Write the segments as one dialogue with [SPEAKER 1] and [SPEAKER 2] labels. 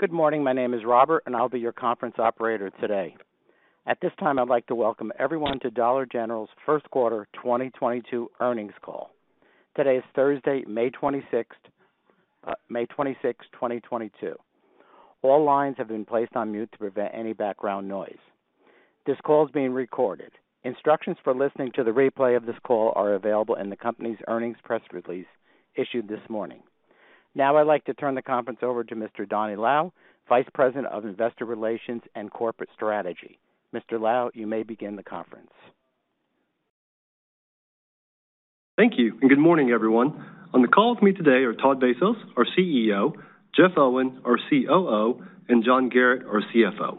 [SPEAKER 1] Good morning. My name is Robert, and I'll be your conference operator today. At this time, I'd like to welcome everyone to Dollar General's Q1 2022 earnings call. Today is Thursday, May 26th, 2022. All lines have been placed on mute to prevent any background noise. This call is being recorded. Instructions for listening to the replay of this call are available in the company's earnings press release issued this morning. Now I'd like to turn the conference over to Mr. Donny Lau, Vice President of Investor Relations and Corporate Strategy. Mr. Lau, you may begin the conference.
[SPEAKER 2] Thank you, and good morning, everyone. On the call with me today are Todd Vasos, our CEO, Jeff Owen, our COO, and John Garratt, our CFO.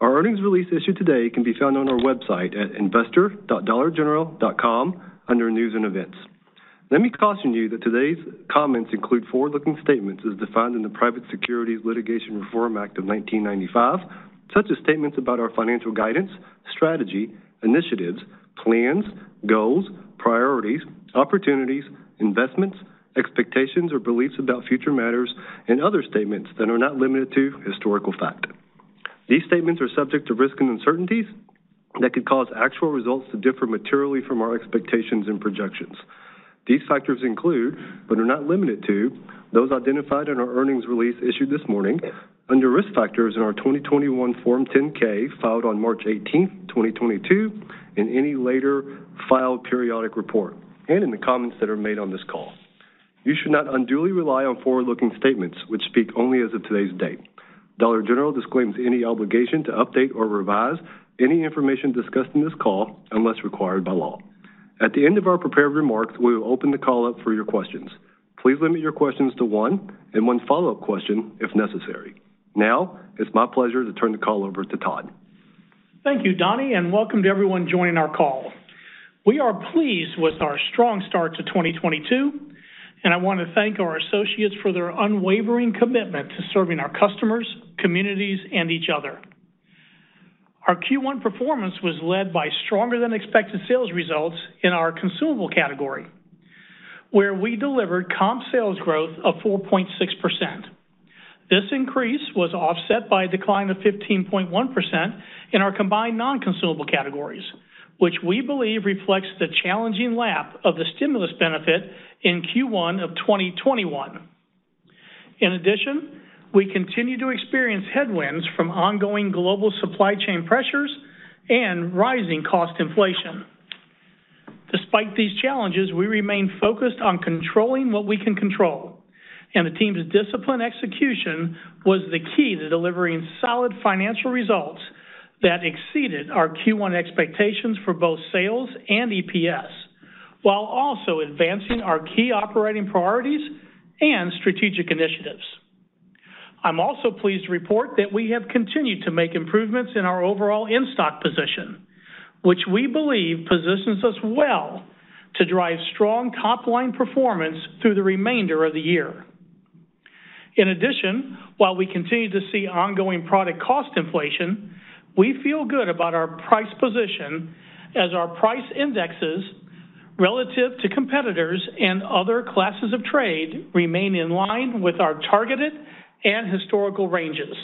[SPEAKER 2] Our earnings release issued today can be found on our website at investor.dollargeneral.com under News and Events. Let me caution you that today's comments include forward-looking statements as defined in the Private Securities Litigation Reform Act of 1995, such as statements about our financial guidance, strategy, initiatives, plans, goals, priorities, opportunities, investments, expectations or beliefs about future matters and other statements that are not limited to historical fact. These statements are subject to risks and uncertainties that could cause actual results to differ materially from our expectations and projections. These factors include, but are not limited to those identified in our earnings release issued this morning under Risk Factors in our 2021 Form 10-K filed on March 18, 2022 in any later filed periodic report, and in the comments that are made on this call. You should not unduly rely on forward-looking statements which speak only as of today's date. Dollar General disclaims any obligation to update or revise any information discussed in this call unless required by law. At the end of our prepared remarks, we will open the call up for your questions. Please limit your questions to one and one follow-up question if necessary. Now it's my pleasure to turn the call over to Todd.
[SPEAKER 3] Thank you, Donnie, and welcome to everyone joining our call. We are pleased with our strong start to 2022, and I wanna thank our associates for their unwavering commitment to serving our customers, communities, and each other. Our Q1 performance was led by stronger than expected sales results in our consumable category, where we delivered comp sales growth of 4.6%. This increase was offset by a decline of 15.1% in our combined non-consumable categories, which we believe reflects the challenging lap of the stimulus benefit in Q1 of 2021. We continue to experience headwinds from ongoing global supply chain pressures and rising cost inflation. Despite these challenges, we remain focused on controlling what we can control, and the team's disciplined execution was the key to delivering solid financial results that exceeded our Q1 expectations for both sales and EPS, while also advancing our key operating priorities and strategic initiatives. I'm also pleased to report that we have continued to make improvements in our overall in-stock position, which we believe positions us well to drive strong top-line performance through the remainder of the year. In addition, while we continue to see ongoing product cost inflation, we feel good about our price position as our price indexes relative to competitors and other classes of trade remain in line with our targeted and historical ranges.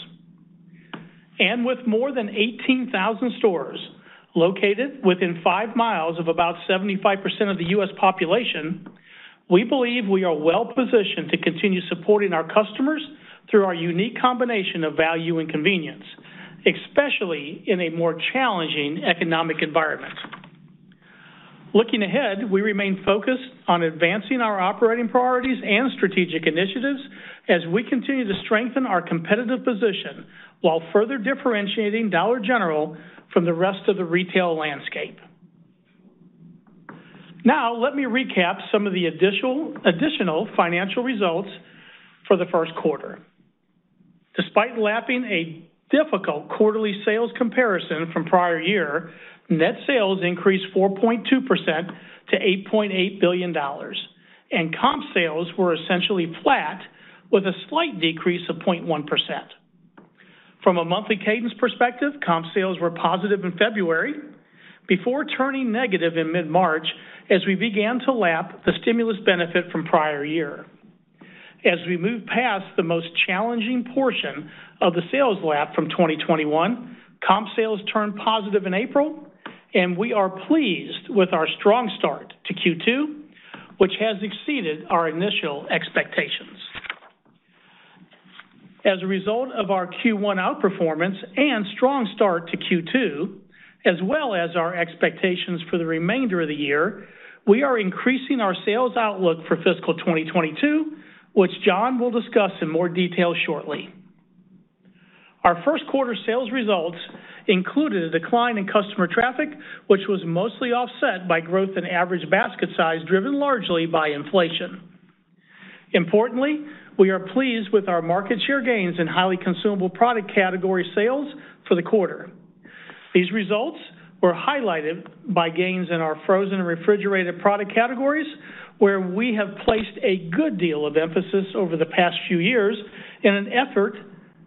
[SPEAKER 3] With more than 18,000 stores located within 5 miles of about 75% of the U.S. population, we believe we are well-positioned to continue supporting our customers through our unique combination of value and convenience, especially in a more challenging economic environment. Looking ahead, we remain focused on advancing our operating priorities and strategic initiatives as we continue to strengthen our competitive position while further differentiating Dollar General from the rest of the retail landscape. Now, let me recap some of the additional financial results for the Q1. Despite lapping a difficult quarterly sales comparison from prior year, net sales increased 4.2% to $8.8 billion, and comp sales were essentially flat with a slight decrease of 0.1%. From a monthly cadence perspective, comp sales were positive in February before turning negative in mid-March as we began to lap the stimulus benefit from prior year. As we move past the most challenging portion of the sales lap from 2021, comp sales turned positive in April, and we are pleased with our strong start to Q2, which has exceeded our initial expectations. As a result of our Q1 outperformance and strong start to Q2, as well as our expectations for the remainder of the year, we are increasing our sales outlook for fiscal 2022, which John will discuss in more detail shortly. Our Q1 sales results included a decline in customer traffic, which was mostly offset by growth in average basket size, driven largely by inflation. Importantly, we are pleased with our market share gains in highly consumable product category sales for the quarter. These results were highlighted by gains in our frozen and refrigerated product categories, where we have placed a good deal of emphasis over the past few years in an effort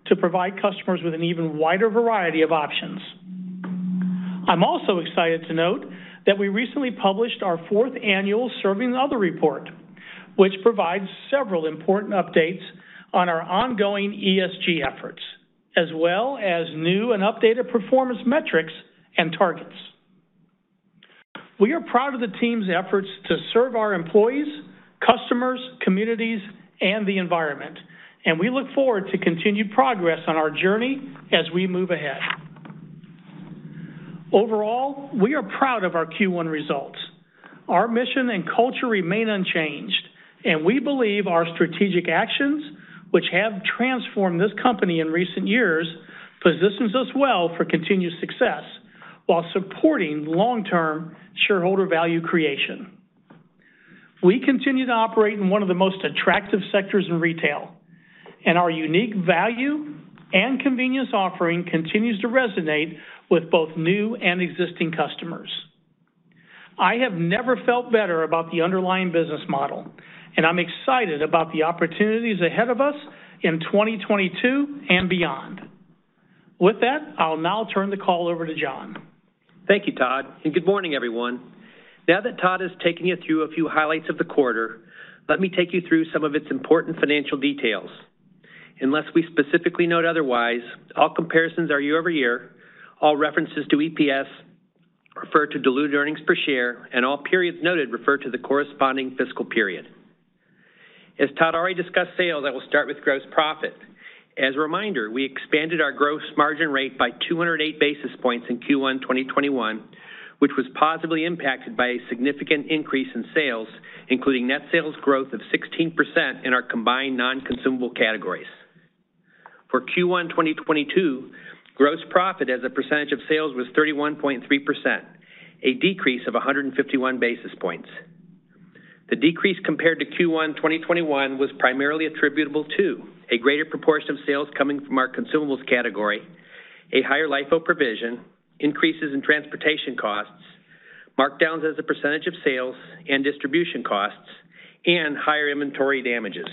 [SPEAKER 3] to provide customers with an even wider variety of options. I'm also excited to note that we recently published our fourth annual Serving Others report, which provides several important updates on our ongoing ESG efforts, as well as new and updated performance metrics and targets. We are proud of the team's efforts to serve our employees, customers, communities, and the environment, and we look forward to continued progress on our journey as we move ahead. Overall, we are proud of our Q1 results. Our mission and culture remain unchanged, and we believe our strategic actions, which have transformed this company in recent years, positions us well for continued success while supporting long-term shareholder value creation. We continue to operate in one of the most attractive sectors in retail, and our unique value and convenience offering continues to resonate with both new and existing customers. I have never felt better about the underlying business model, and I'm excited about the opportunities ahead of us in 2022 and beyond. With that, I'll now turn the call over to John.
[SPEAKER 4] Thank you, Todd, and good morning, everyone. Now that Todd has taken you through a few highlights of the quarter, let me take you through some of its important financial details. Unless we specifically note otherwise, all comparisons are year over year, all references to EPS refer to diluted earnings per share, and all periods noted refer to the corresponding fiscal period. As Todd already discussed sales, I will start with gross profit. As a reminder, we expanded our gross margin rate by 208 basis points in Q1 2021, which was positively impacted by a significant increase in sales, including net sales growth of 16% in our combined non-consumable categories. For Q1 2022, gross profit as a percentage of sales was 31.3%, a decrease of 151 basis points. The decrease compared to Q1 2021 was primarily attributable to a greater proportion of sales coming from our consumables category, a higher LIFO provision, increases in transportation costs, markdowns as a percentage of sales and distribution costs, and higher inventory damages.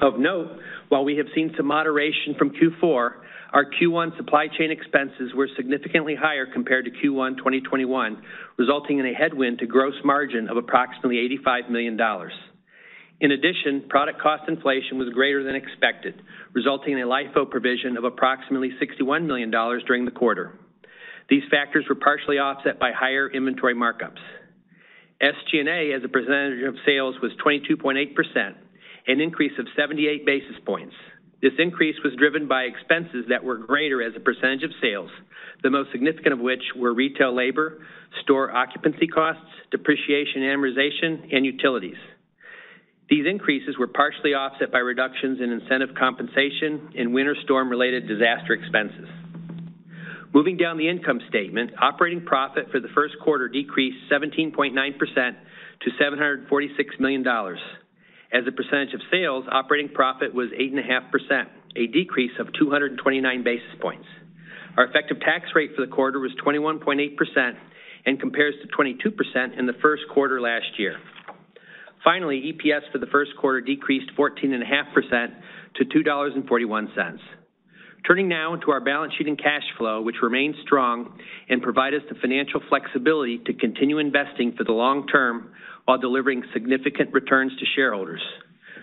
[SPEAKER 4] Of note, while we have seen some moderation from Q4, our Q1 supply chain expenses were significantly higher compared to Q1 2021, resulting in a headwind to gross margin of approximately $85 million. In addition, product cost inflation was greater than expected, resulting in a LIFO provision of approximately $61 million during the quarter. These factors were partially offset by higher inventory markups. SG&A as a percentage of sales was 22.8%, an increase of 78 basis points. This increase was driven by expenses that were greater as a percentage of sales, the most significant of which were retail labor, store occupancy costs, depreciation and amortization, and utilities. These increases were partially offset by reductions in incentive compensation and winter storm-related disaster expenses. Moving down the income statement, operating profit for the Q1 decreased 17.9% to $746 million. As a percentage of sales, operating profit was 8.5%, a decrease of 229 basis points. Our effective tax rate for the quarter was 21.8% and compares to 22% in the Q1 last year. Finally, EPS for the Q1 decreased 14.5% to $2.41. Turning now to our balance sheet and cash flow, which remain strong and provide us the financial flexibility to continue investing for the long term while delivering significant returns to shareholders.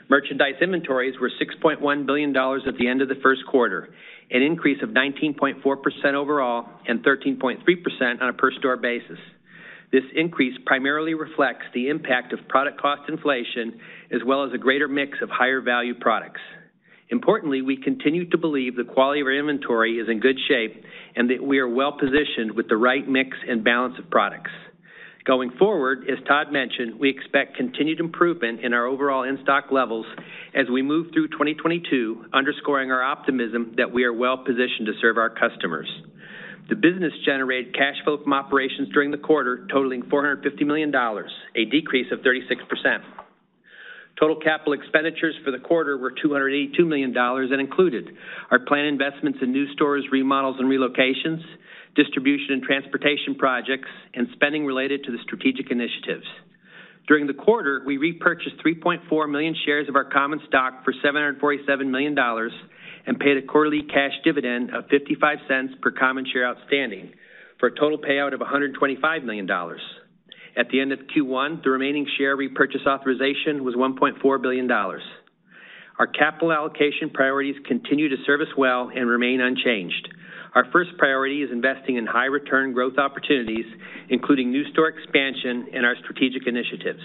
[SPEAKER 4] Merchandise inventories were $6.1 billion at the end of the Q1, an increase of 19.4% overall and 13.3% on a per store basis. This increase primarily reflects the impact of product cost inflation as well as a greater mix of higher value products. Importantly, we continue to believe the quality of our inventory is in good shape and that we are well-positioned with the right mix and balance of products. Going forward, as Todd mentioned, we expect continued improvement in our overall in-stock levels as we move through 2022, underscoring our optimism that we are well-positioned to serve our customers. The business generated cash flow from operations during the quarter totaling $450 million, a decrease of 36%. Total capital expenditures for the quarter were $282 million and included our planned investments in new stores, remodels, and relocations, distribution and transportation projects, and spending related to the strategic initiatives. During the quarter, we repurchased 3.4 million shares of our common stock for $747 million and paid a quarterly cash dividend of $0.55 per common share outstanding for a total payout of $125 million. At the end of Q1, the remaining share repurchase authorization was $1.4 billion. Our capital allocation priorities continue to serve us well and remain unchanged. Our first priority is investing in high return growth opportunities, including new store expansion and our strategic initiatives.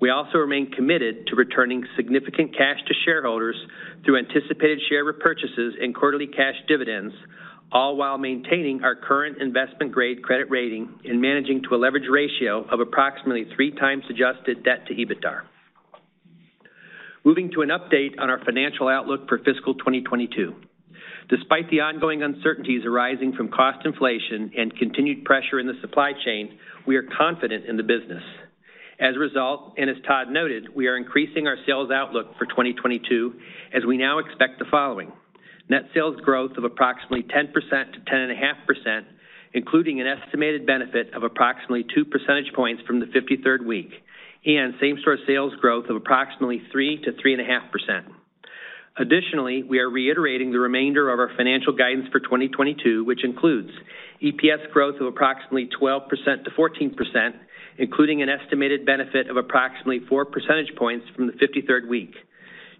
[SPEAKER 4] We also remain committed to returning significant cash to shareholders through anticipated share repurchases and quarterly cash dividends, all while maintaining our current investment-grade credit rating and managing to a leverage ratio of approximately 3x adjusted debt to EBITDA. Moving to an update on our financial outlook for fiscal 2022. Despite the ongoing uncertainties arising from cost inflation and continued pressure in the supply chain, we are confident in the business. As a result, and as Todd noted, we are increasing our sales outlook for 2022 as we now expect the following: Net sales growth of approximately 10%-10.5%, including an estimated benefit of approximately 2 percentage points from the 53rd week, and same-store sales growth of approximately 3%-3.5%. Additionally, we are reiterating the remainder of our financial guidance for 2022, which includes EPS growth of approximately 12%-14%, including an estimated benefit of approximately 4 percentage points from the 53rd week.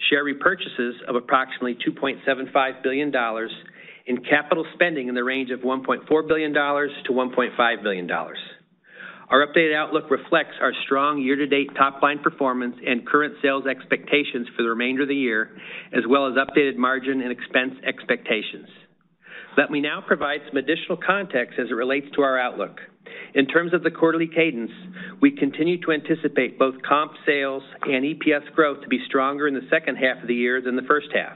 [SPEAKER 4] Share repurchases of approximately $2.75 billion and capital spending in the range of $1.4 billion-$1.5 billion. Our updated outlook reflects our strong year-to-date top line performance and current sales expectations for the remainder of the year, as well as updated margin and expense expectations. Let me now provide some additional context as it relates to our outlook. In terms of the quarterly cadence, we continue to anticipate both comp sales and EPS growth to be stronger in the H2 of the year than the H1.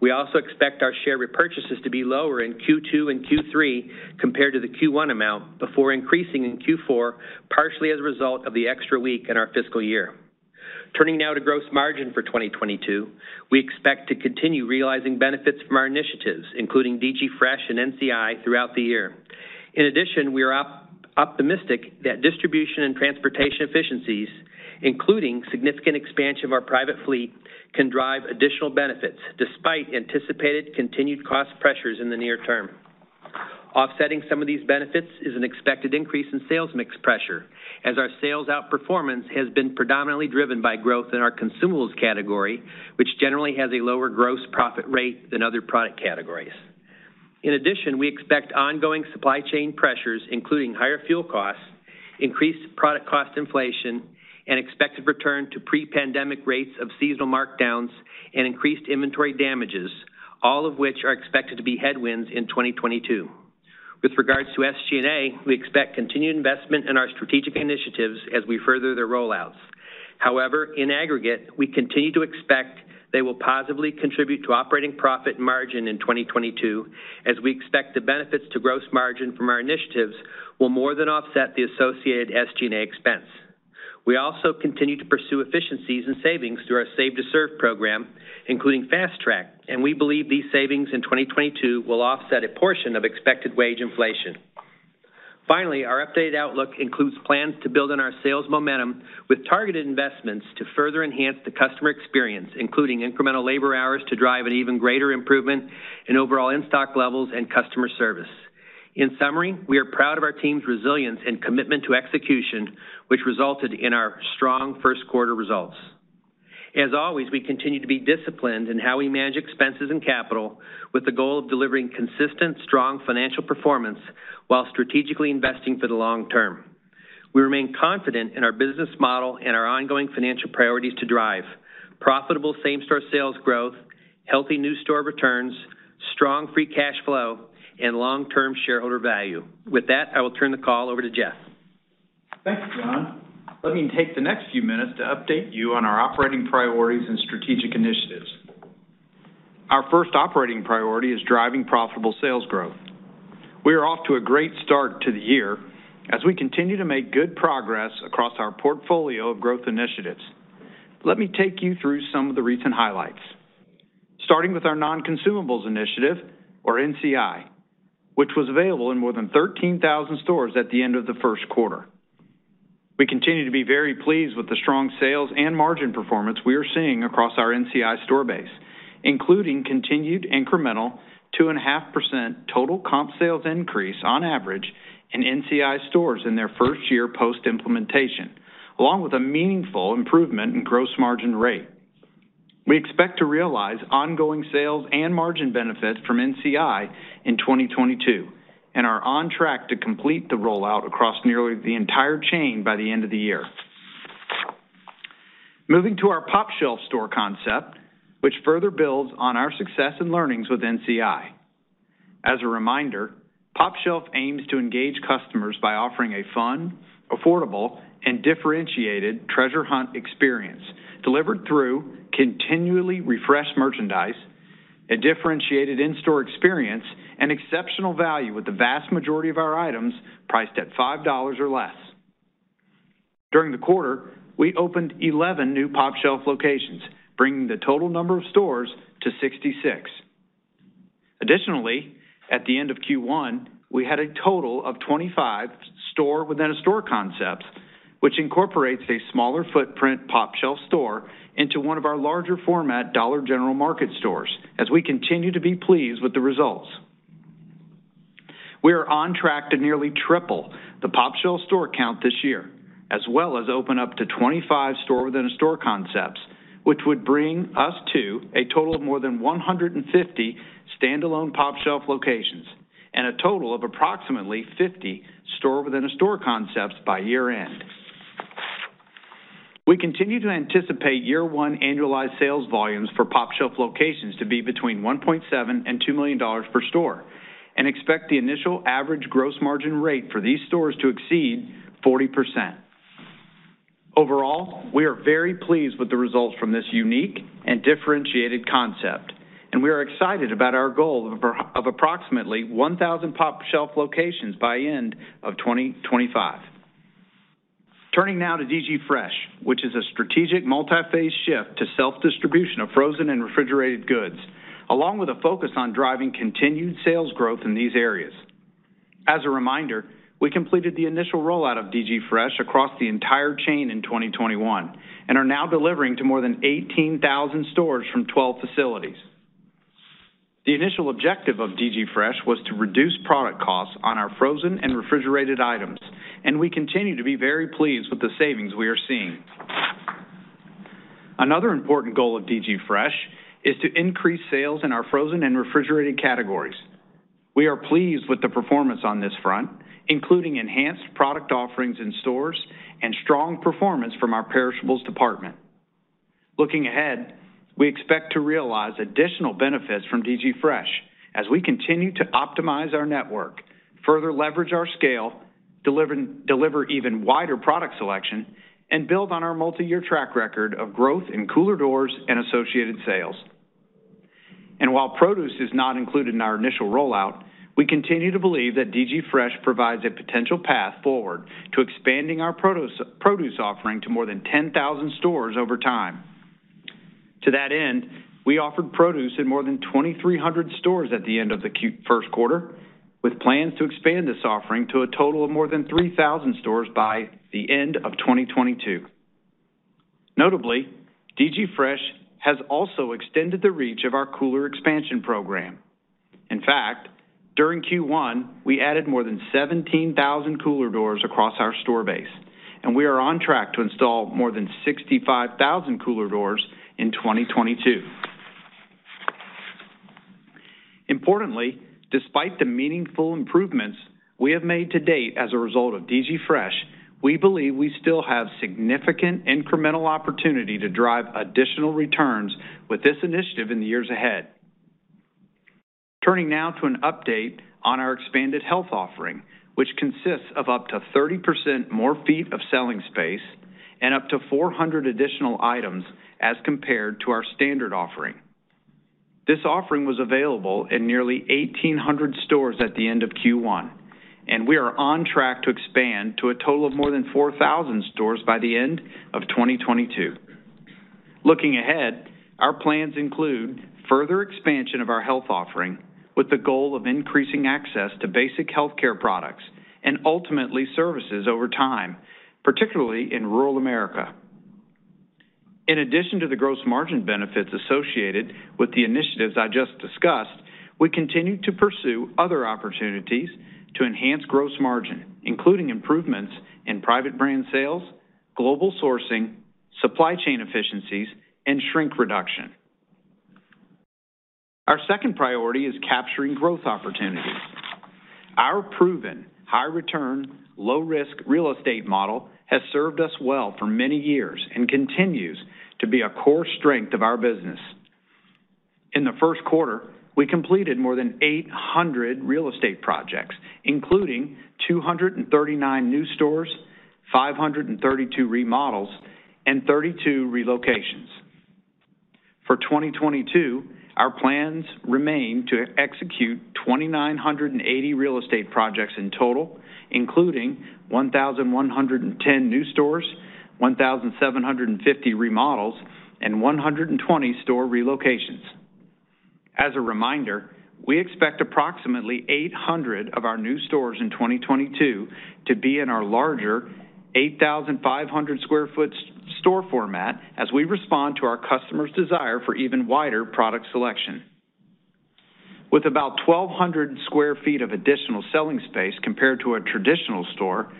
[SPEAKER 4] We also expect our share repurchases to be lower in Q2 and Q3 compared to the Q1 amount before increasing in Q4, partially as a result of the extra week in our fiscal year. Turning now to gross margin for 2022, we expect to continue realizing benefits from our initiatives, including DG Fresh and NCI, throughout the year. In addition, we are optimistic that distribution and transportation efficiencies, including significant expansion of our private fleet, can drive additional benefits despite anticipated continued cost pressures in the near term. Offsetting some of these benefits is an expected increase in sales mix pressure as our sales outperformance has been predominantly driven by growth in our consumables category, which generally has a lower gross profit rate than other product categories. In addition, we expect ongoing supply chain pressures, including higher fuel costs, increased product cost inflation, an expected return to pre-pandemic rates of seasonal markdowns, and increased inventory damages, all of which are expected to be headwinds in 2022. With regards to SG&A, we expect continued investment in our strategic initiatives as we further their rollouts. However, in aggregate, we continue to expect they will positively contribute to operating profit margin in 2022, as we expect the benefits to gross margin from our initiatives will more than offset the associated SG&A expense. We also continue to pursue efficiencies and savings through our Save to Serve program, including Fast Track, and we believe these savings in 2022 will offset a portion of expected wage inflation. Finally, our updated outlook includes plans to build on our sales momentum with targeted investments to further enhance the customer experience, including incremental labor hours to drive an even greater improvement in overall in-stock levels and customer service. In summary, we are proud of our team's resilience and commitment to execution, which resulted in our strong Q1 results. As always, we continue to be disciplined in how we manage expenses and capital with the goal of delivering consistent, strong financial performance while strategically investing for the long term. We remain confident in our business model and our ongoing financial priorities to drive profitable same-store sales growth, healthy new store returns, strong free cash flow, and long-term shareholder value. With that, I will turn the call over to Jeff.
[SPEAKER 5] Thanks, John. Let me take the next few minutes to update you on our operating priorities and strategic initiatives. Our first operating priority is driving profitable sales growth. We are off to a great start to the year as we continue to make good progress across our portfolio of growth initiatives. Let me take you through some of the recent highlights. Starting with our Non-Consumables Initiative, or NCI, which was available in more than 13,000 stores at the end of the Q1. We continue to be very pleased with the strong sales and margin performance we are seeing across our NCI store base, including continued incremental 2.5% total comp sales increase on average in NCI stores in their first year post-implementation, along with a meaningful improvement in gross margin rate. We expect to realize ongoing sales and margin benefits from NCI in 2022 and are on track to complete the rollout across nearly the entire chain by the end of the year. Moving to our pOpshelf store concept, which further builds on our success and learnings with NCI. As a reminder, pOpshelf aims to engage customers by offering a fun, affordable, and differentiated treasure hunt experience delivered through continually refreshed merchandise, a differentiated in-store experience, and exceptional value with the vast majority of our items priced at $5 or less. During the quarter, we opened 11 new pOpshelf locations, bringing the total number of stores to 66. Additionally, at the end of Q1, we had a total of 25 store within a store concepts, which incorporates a smaller footprint pOpshelf store into one of our larger format Dollar General Market stores as we continue to be pleased with the results. We are on track to nearly triple the pOpshelf store count this year, as well as open up to 25 store within a store concepts, which would bring us to a total of more than 150 standalone pOpshelf locations and a total of approximately 50 store within a store concepts by year-end. We continue to anticipate year one annualized sales volumes for pOpshelf locations to be between $1.7 million and $2 million per store and expect the initial average gross margin rate for these stores to exceed 40%. Overall, we are very pleased with the results from this unique and differentiated concept, and we are excited about our goal of approximately 1,000 pOpshelf locations by end of 2025. Turning now to DG Fresh, which is a strategic multi-phase shift to self-distribution of frozen and refrigerated goods, along with a focus on driving continued sales growth in these areas. As a reminder, we completed the initial rollout of DG Fresh across the entire chain in 2021 and are now delivering to more than 18,000 stores from 12 facilities. The initial objective of DG Fresh was to reduce product costs on our frozen and refrigerated items, and we continue to be very pleased with the savings we are seeing. Another important goal of DG Fresh is to increase sales in our frozen and refrigerated categories. We are pleased with the performance on this front, including enhanced product offerings in stores and strong performance from our perishables department. Looking ahead, we expect to realize additional benefits from DG Fresh as we continue to optimize our network, further leverage our scale, deliver even wider product selection, and build on our multi-year track record of growth in cooler doors and associated sales. While produce is not included in our initial rollout, we continue to believe that DG Fresh provides a potential path forward to expanding our produce offering to more than 10,000 stores over time. To that end, we offered produce in more than 2,300 stores at the end of the Q1, with plans to expand this offering to a total of more than 3,000 stores by the end of 2022. Notably, DG Fresh has also extended the reach of our cooler expansion program. In fact, during Q1, we added more than 17,000 cooler doors across our store base, and we are on track to install more than 65,000 cooler doors in 2022. Importantly, despite the meaningful improvements we have made to date as a result of DG Fresh, we believe we still have significant incremental opportunity to drive additional returns with this initiative in the years ahead. Turning now to an update on our expanded health offering, which consists of up to 30% more feet of selling space and up to 400 additional items as compared to our standard offering. This offering was available in nearly 1,800 stores at the end of Q1, and we are on track to expand to a total of more than 4,000 stores by the end of 2022. Looking ahead, our plans include further expansion of our health offering with the goal of increasing access to basic healthcare products and ultimately services over time, particularly in rural America. In addition to the gross margin benefits associated with the initiatives I just discussed, we continue to pursue other opportunities to enhance gross margin, including improvements in private brand sales, global sourcing, supply chain efficiencies, and shrink reduction. Our second priority is capturing growth opportunities. Our proven high return, low risk real estate model has served us well for many years and continues to be a core strength of our business. In the Q1, we completed more than 800 real estate projects, including 239 new stores, 532 remodels, and 32 relocations. For 2022, our plans remain to execute 2,980 real estate projects in total, including 1,110 new stores, 1,750 remodels, and 120 store relocations. As a reminder, we expect approximately 800 of our new stores in 2022 to be in our larger 8,500-square-foot store format as we respond to our customers' desire for even wider product selection. With about 12 sq ft of additional selling space compared to a traditional store,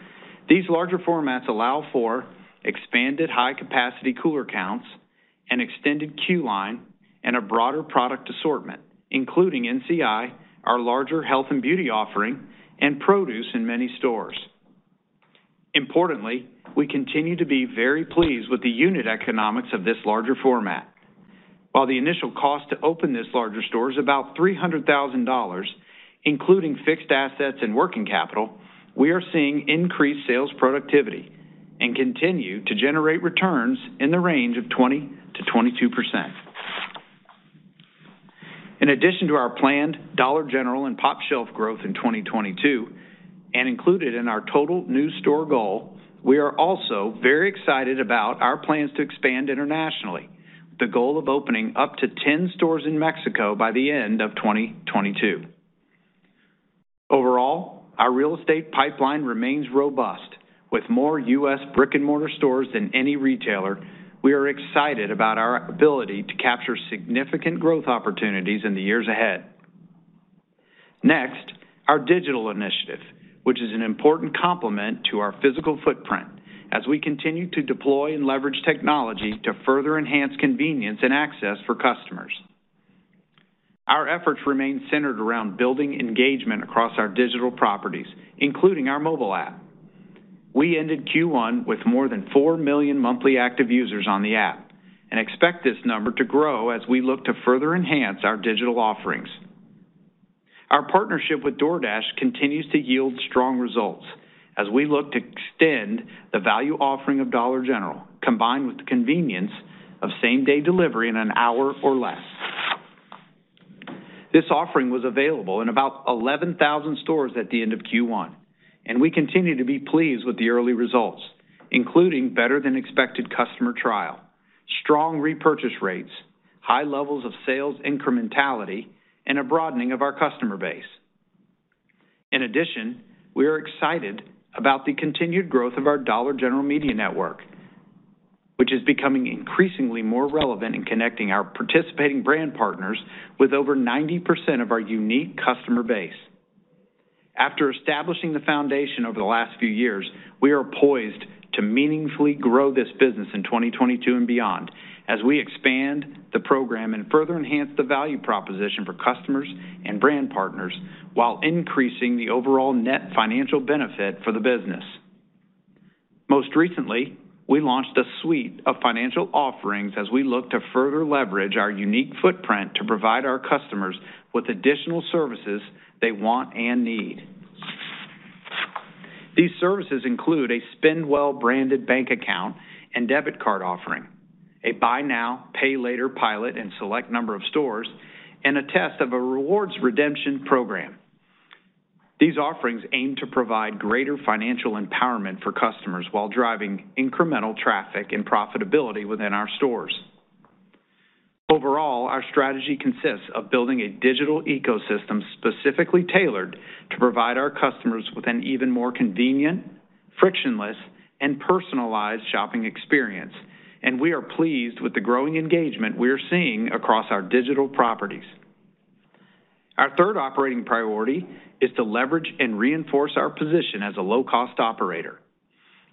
[SPEAKER 5] these larger formats allow for expanded high-capacity cooler counts and extended queue line and a broader product assortment, including NCI, our larger health and beauty offering, and produce in many stores. Importantly, we continue to be very pleased with the unit economics of this larger format. While the initial cost to open this larger store is about $300,000, including fixed assets and working capital, we are seeing increased sales productivity and continue to generate returns in the range of 20%-22%. In addition to our planned Dollar General and pOpshelf growth in 2022 and included in our total new store goal, we are also very excited about our plans to expand internationally. The goal of opening up to 10 stores in Mexico by the end of 2022. Overall, our real estate pipeline remains robust. With more U.S. brick-and-mortar stores than any retailer, we are excited about our ability to capture significant growth opportunities in the years ahead. Next, our digital initiative, which is an important complement to our physical footprint as we continue to deploy and leverage technology to further enhance convenience and access for customers. Our efforts remain centered around building engagement across our digital properties, including our mobile app. We ended Q1 with more than 4 million monthly active users on the app and expect this number to grow as we look to further enhance our digital offerings. Our partnership with DoorDash continues to yield strong results as we look to extend the value offering of Dollar General, combined with the convenience of same-day delivery in an hour or less. This offering was available in about 11,000 stores at the end of Q1, and we continue to be pleased with the early results, including better than expected customer trial, strong repurchase rates, high levels of sales incrementality, and a broadening of our customer base. In addition, we are excited about the continued growth of our Dollar General Media Network, which is becoming increasingly more relevant in connecting our participating brand partners with over 90% of our unique customer base. After establishing the foundation over the last few years, we are poised to meaningfully grow this business in 2022 and beyond as we expand the program and further enhance the value proposition for customers and brand partners while increasing the overall net financial benefit for the business. Most recently, we launched a suite of financial offerings as we look to further leverage our unique footprint to provide our customers with additional services they want and need. These services include a spendwell branded bank account and debit card offering, a buy now, pay later pilot in select number of stores, and a test of a rewards redemption program. These offerings aim to provide greater financial empowerment for customers while driving incremental traffic and profitability within our stores. Overall, our strategy consists of building a digital ecosystem specifically tailored to provide our customers with an even more convenient, frictionless, and personalized shopping experience, and we are pleased with the growing engagement we are seeing across our digital properties. Our third operating priority is to leverage and reinforce our position as a low-cost operator.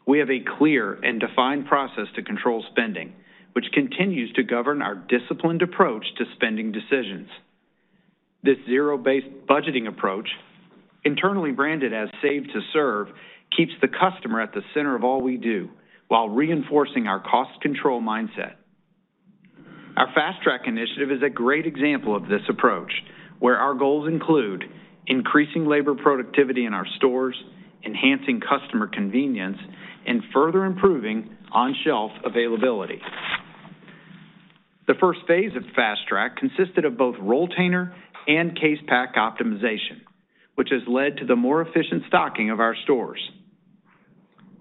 [SPEAKER 5] We have a clear and defined process to control spending, which continues to govern our disciplined approach to spending decisions. This zero-based budgeting approach, internally branded as Save to Serve, keeps the customer at the center of all we do while reinforcing our cost control mindset. Our Fast Track initiative is a great example of this approach, where our goals include increasing labor productivity in our stores, enhancing customer convenience, and further improving on-shelf availability. The phase I of Fast Track consisted of both rolltainer and case pack optimization, which has led to the more efficient stocking of our stores.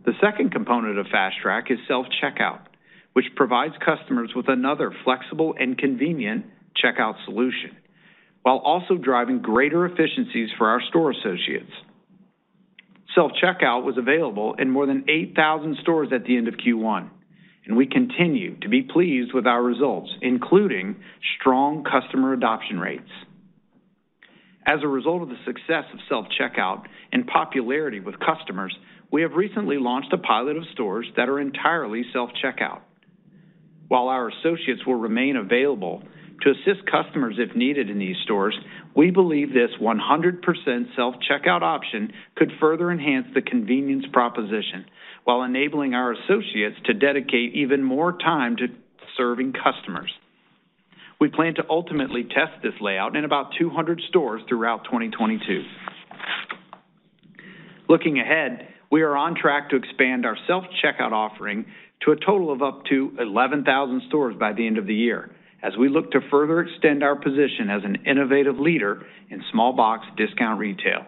[SPEAKER 5] The second component of Fast Track is self-checkout, which provides customers with another flexible and convenient checkout solution while also driving greater efficiencies for our store associates. Self-checkout was available in more than 8,000 stores at the end of Q1, and we continue to be pleased with our results, including strong customer adoption rates. As a result of the success of self-checkout and popularity with customers, we have recently launched a pilot of stores that are entirely self-checkout. While our associates will remain available to assist customers if needed in these stores, we believe this 100% self-checkout option could further enhance the convenience proposition while enabling our associates to dedicate even more time to serving customers. We plan to ultimately test this layout in about 200 stores throughout 2022. Looking ahead, we are on track to expand our self-checkout offering to a total of up to 11,000 stores by the end of the year as we look to further extend our position as an innovative leader in small box discount retail.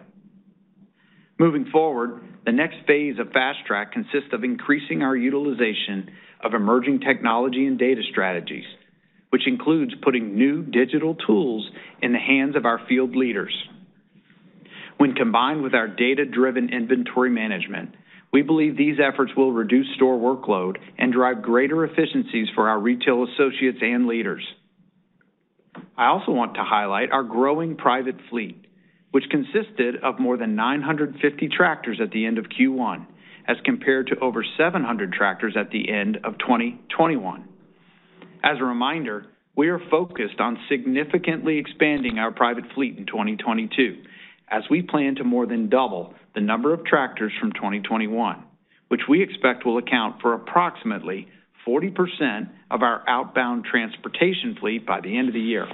[SPEAKER 5] Moving forward, the next phase of Fast Track consists of increasing our utilization of emerging technology and data strategies, which includes putting new digital tools in the hands of our field leaders. When combined with our data-driven inventory management, we believe these efforts will reduce store workload and drive greater efficiencies for our retail associates and leaders. I also want to highlight our growing private fleet, which consisted of more than 950 tractors at the end of Q1 as compared to over 700 tractors at the end of 2021. As a reminder, we are focused on significantly expanding our private fleet in 2022 as we plan to more than double the number of tractors from 2021, which we expect will account for approximately 40% of our outbound transportation fleet by the end of the year.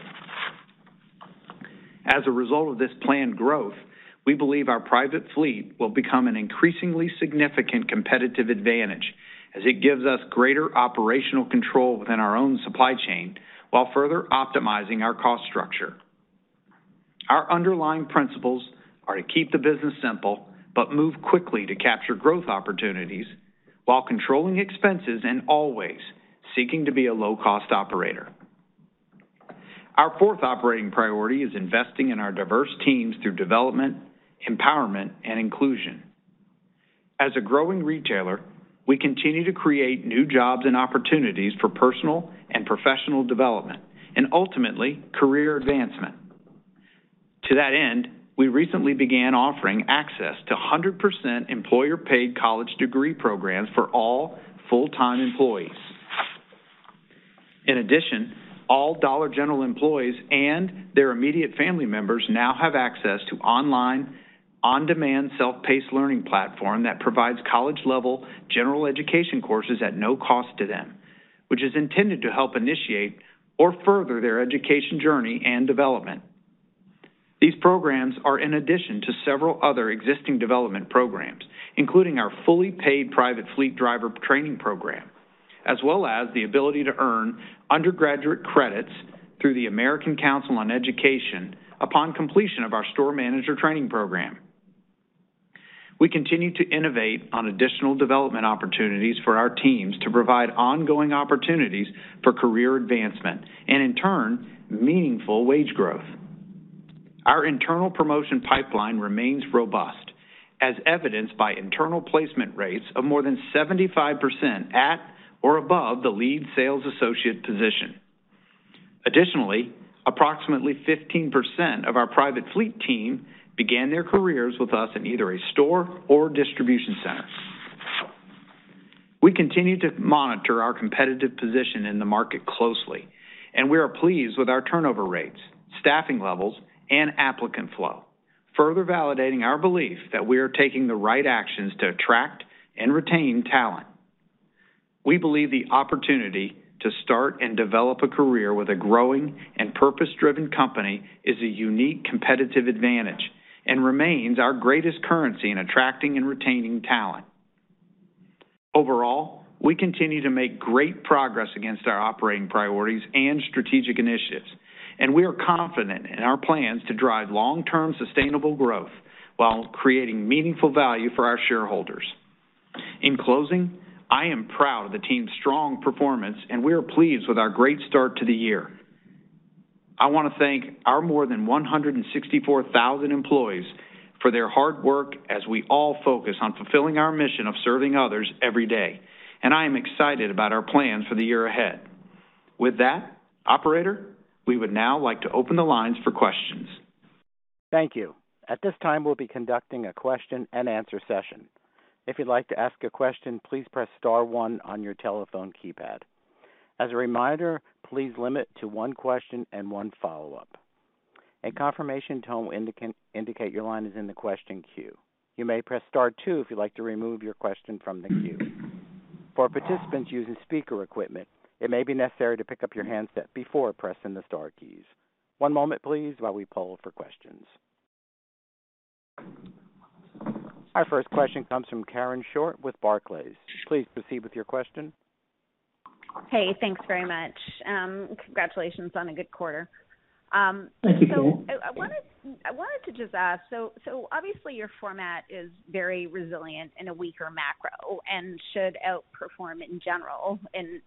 [SPEAKER 5] As a result of this planned growth, we believe our private fleet will become an increasingly significant competitive advantage as it gives us greater operational control within our own supply chain while further optimizing our cost structure. Our underlying principles are to keep the business simple, but move quickly to capture growth opportunities while controlling expenses and always seeking to be a low-cost operator. Our fourth operating priority is investing in our diverse teams through development, empowerment, and inclusion. As a growing retailer, we continue to create new jobs and opportunities for personal and professional development and ultimately career advancement. To that end, we recently began offering access to 100% employer-paid college degree programs for all full-time employees. In addition, all Dollar General employees and their immediate family members now have access to online, on-demand, self-paced learning platform that provides college-level general education courses at no cost to them, which is intended to help initiate or further their education journey and development. These programs are in addition to several other existing development programs, including our fully paid private fleet driver training program, as well as the ability to earn undergraduate credits through the American Council on Education upon completion of our store manager training program. We continue to innovate on additional development opportunities for our teams to provide ongoing opportunities for career advancement and in turn, meaningful wage growth. Our internal promotion pipeline remains robust, as evidenced by internal placement rates of more than 75% at or above the lead sales associate position. Additionally, approximately 15% of our private fleet team began their careers with us in either a store or distribution center. We continue to monitor our competitive position in the market closely, and we are pleased with our turnover rates, staffing levels and applicant flow, further validating our belief that we are taking the right actions to attract and retain talent. We believe the opportunity to start and develop a career with a growing and purpose-driven company is a unique competitive advantage and remains our greatest currency in attracting and retaining talent. Overall, we continue to make great progress against our operating priorities and strategic initiatives, and we are confident in our plans to drive long-term sustainable growth while creating meaningful value for our shareholders. In closing, I am proud of the team's strong performance and we are pleased with our great start to the year. I want to thank our more than 164,000 employees for their hard work as we all focus on fulfilling our mission of serving others every day, and I am excited about our plans for the year ahead. With that, operator, we would now like to open the lines for questions.
[SPEAKER 1] Thank you. At this time, we'll be conducting a question and answer session. If you'd like to ask a question, please press star one on your telephone keypad. As a reminder, please limit to one question and one follow-up. A confirmation tone will indicate your line is in the question queue. You may press star two if you'd like to remove your question from the queue. For participants using speaker equipment, it may be necessary to pick up your handset before pressing the star keys. One moment please while we poll for questions. Our first question comes from Karen Short with Barclays. Please proceed with your question.
[SPEAKER 6] Hey, thanks very much. Congratulations on a good quarter.
[SPEAKER 5] Thank you.
[SPEAKER 6] I wanted to just ask. Obviously your format is very resilient in a weaker macro and should outperform in general in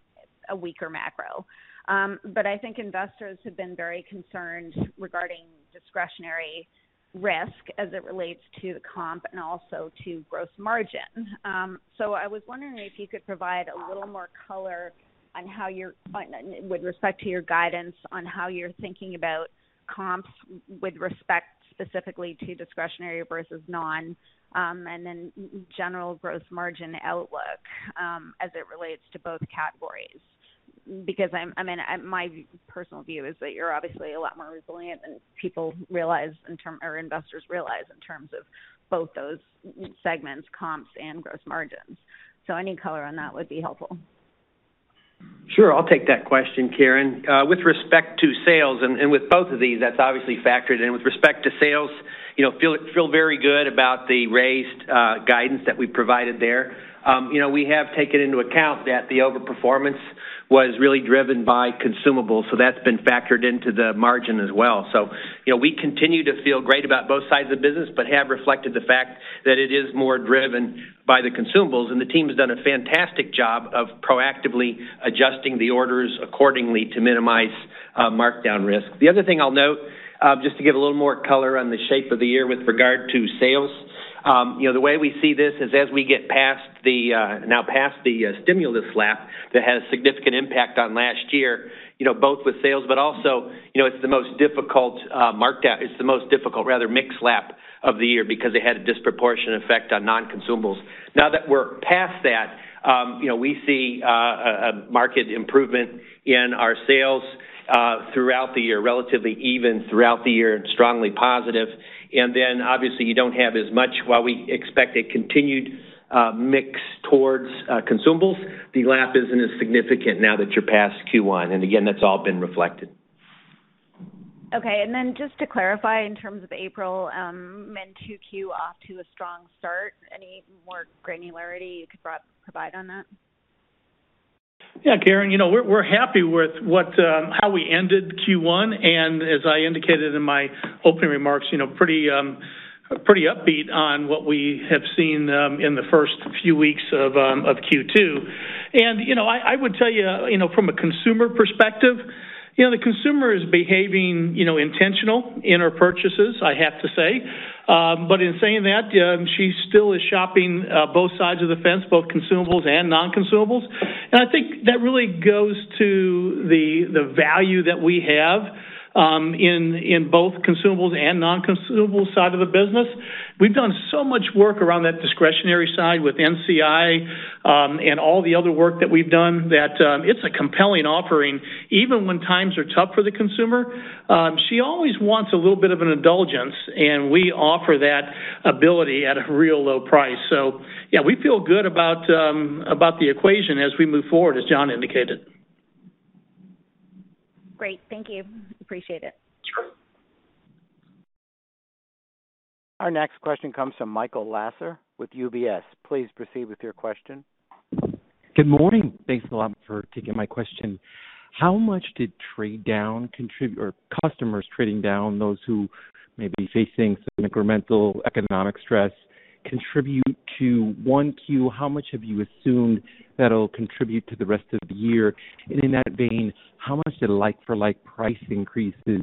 [SPEAKER 6] a weaker macro. I think investors have been very concerned regarding discretionary risk as it relates to the comp and also to gross margin. I was wondering if you could provide a little more color on with respect to your guidance on how you're thinking about comps with respect specifically to discretionary versus non, and then general gross margin outlook, as it relates to both categories. Because I mean, my personal view is that you're obviously a lot more resilient than people realize or investors realize in terms of both those segments, comps and gross margins. Any color on that would be helpful.
[SPEAKER 4] Sure. I'll take that question, Karen. With respect to sales and with both of these, that's obviously factored in. With respect to sales, you know, feel very good about the raised guidance that we provided there. You know, we have taken into account that the overperformance was really driven by consumables, so that's been factored into the margin as well. You know, we continue to feel great about both sides of the business, but have reflected the fact that it is more driven by the consumables. The team has done a fantastic job of proactively adjusting the orders accordingly to minimize markdown risk.
[SPEAKER 5] The other thing I'll note, just to give a little more color on the shape of the year with regard to sales, you know, the way we see this is as we get past the stimulus lap that had a significant impact on last year, you know, both with sales, but also, you know, it's the most difficult harder mix lap of the year because it had a disproportionate effect on non-consumables. Now that we're past that, you know, we see a market improvement in our sales throughout the year, relatively even throughout the year and strongly positive. Obviously, you don't have as much. While we expect a continued mix towards consumables, the lap isn't as significant now that you're past Q1. Again, that's all been reflected.
[SPEAKER 6] Okay. Just to clarify in terms of April, meant to kick off to a strong start, any more granularity you could provide on that?
[SPEAKER 3] Yeah, Karen, you know, we're happy with how we ended Q1. As I indicated in my opening remarks, you know, pretty upbeat on what we have seen in the first few weeks of Q2. I would tell you know, from a consumer perspective, you know, the consumer is behaving, you know, intentional in her purchases, I have to say. But in saying that, she still is shopping both sides of the fence, both consumables and non-consumables. I think that really goes to the value that we have in both consumables and non-consumable side of the business. We've done so much work around that discretionary side with NCI and all the other work that we've done that it's a compelling offering. Even when times are tough for the consumer, she always wants a little bit of an indulgence, and we offer that ability at a real low price. Yeah, we feel good about the equation as we move forward, as John indicated.
[SPEAKER 6] Great. Thank you. Appreciate it.
[SPEAKER 3] Sure.
[SPEAKER 1] Our next question comes from Michael Lasser with UBS. Please proceed with your question.
[SPEAKER 7] Good morning. Thanks a lot for taking my question. How much did trade down contribute or customers trading down, those who may be facing some incremental economic stress contribute to Q1? How much have you assumed that'll contribute to the rest of the year? In that vein, how much did like for like, price increases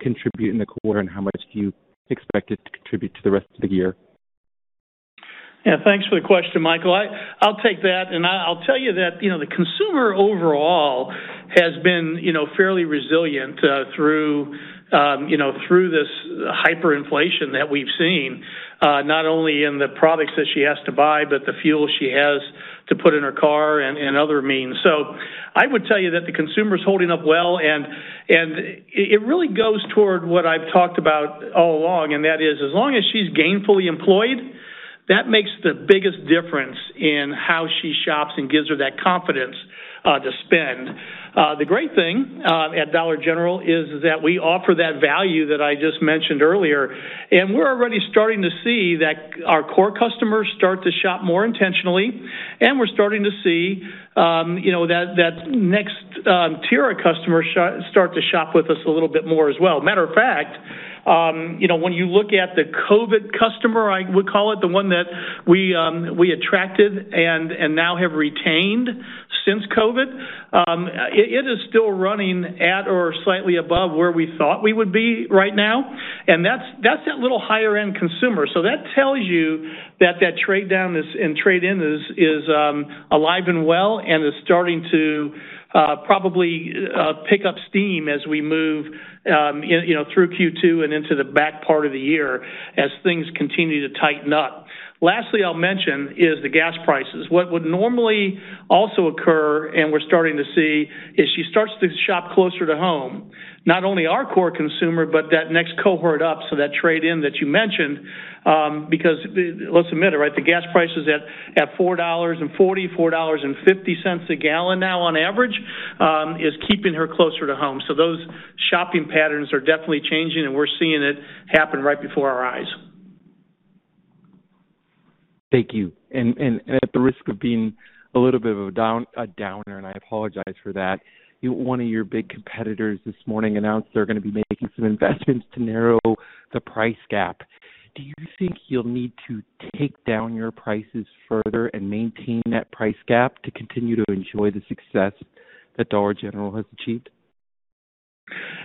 [SPEAKER 7] contribute in the quarter? How much do you expect it to contribute to the rest of the year?
[SPEAKER 3] Yeah, thanks for the question, Michael. I'll take that, and I'll tell you that, you know, the consumer overall has been, you know, fairly resilient through this hyperinflation that we've seen, not only in the products that she has to buy, but the fuel she has to put in her car and other means. I would tell you that the consumer's holding up well, and it really goes toward what I've talked about all along. That is, as long as she's gainfully employed, that makes the biggest difference in how she shops and gives her that confidence to spend. The great thing at Dollar General is that we offer that value that I just mentioned earlier, and we're already starting to see that our core customers start to shop more intentionally. We're starting to see you know that next tier of customers start to shop with us a little bit more as well. Matter of fact you know when you look at the COVID customer I would call it the one that we attracted and now have retained since COVID it is still running at or slightly above where we thought we would be right now. That's that little higher end consumer. That tells you that that trade down is and trade-in is alive and well and is starting to probably pick up steam as we move you know through Q2 and into the back part of the year as things continue to tighten up. Lastly I'll mention is the gas prices. What would normally also occur, and we're starting to see, is she starts to shop closer to home. Not only our core consumer but that next cohort up, so that trade-in that you mentioned, because. Let's admit it, right? The gas prices at $4.40-$4.50 a gallon now on average is keeping her closer to home. So those shopping patterns are definitely changing, and we're seeing it happen right before our eyes.
[SPEAKER 7] Thank you. At the risk of being a little bit of a downer, and I apologize for that. One of your big competitors this morning announced they're gonna be making some investments to narrow the price gap. Do you think you'll need to take down your prices further and maintain that price gap to continue to enjoy the success that Dollar General has achieved?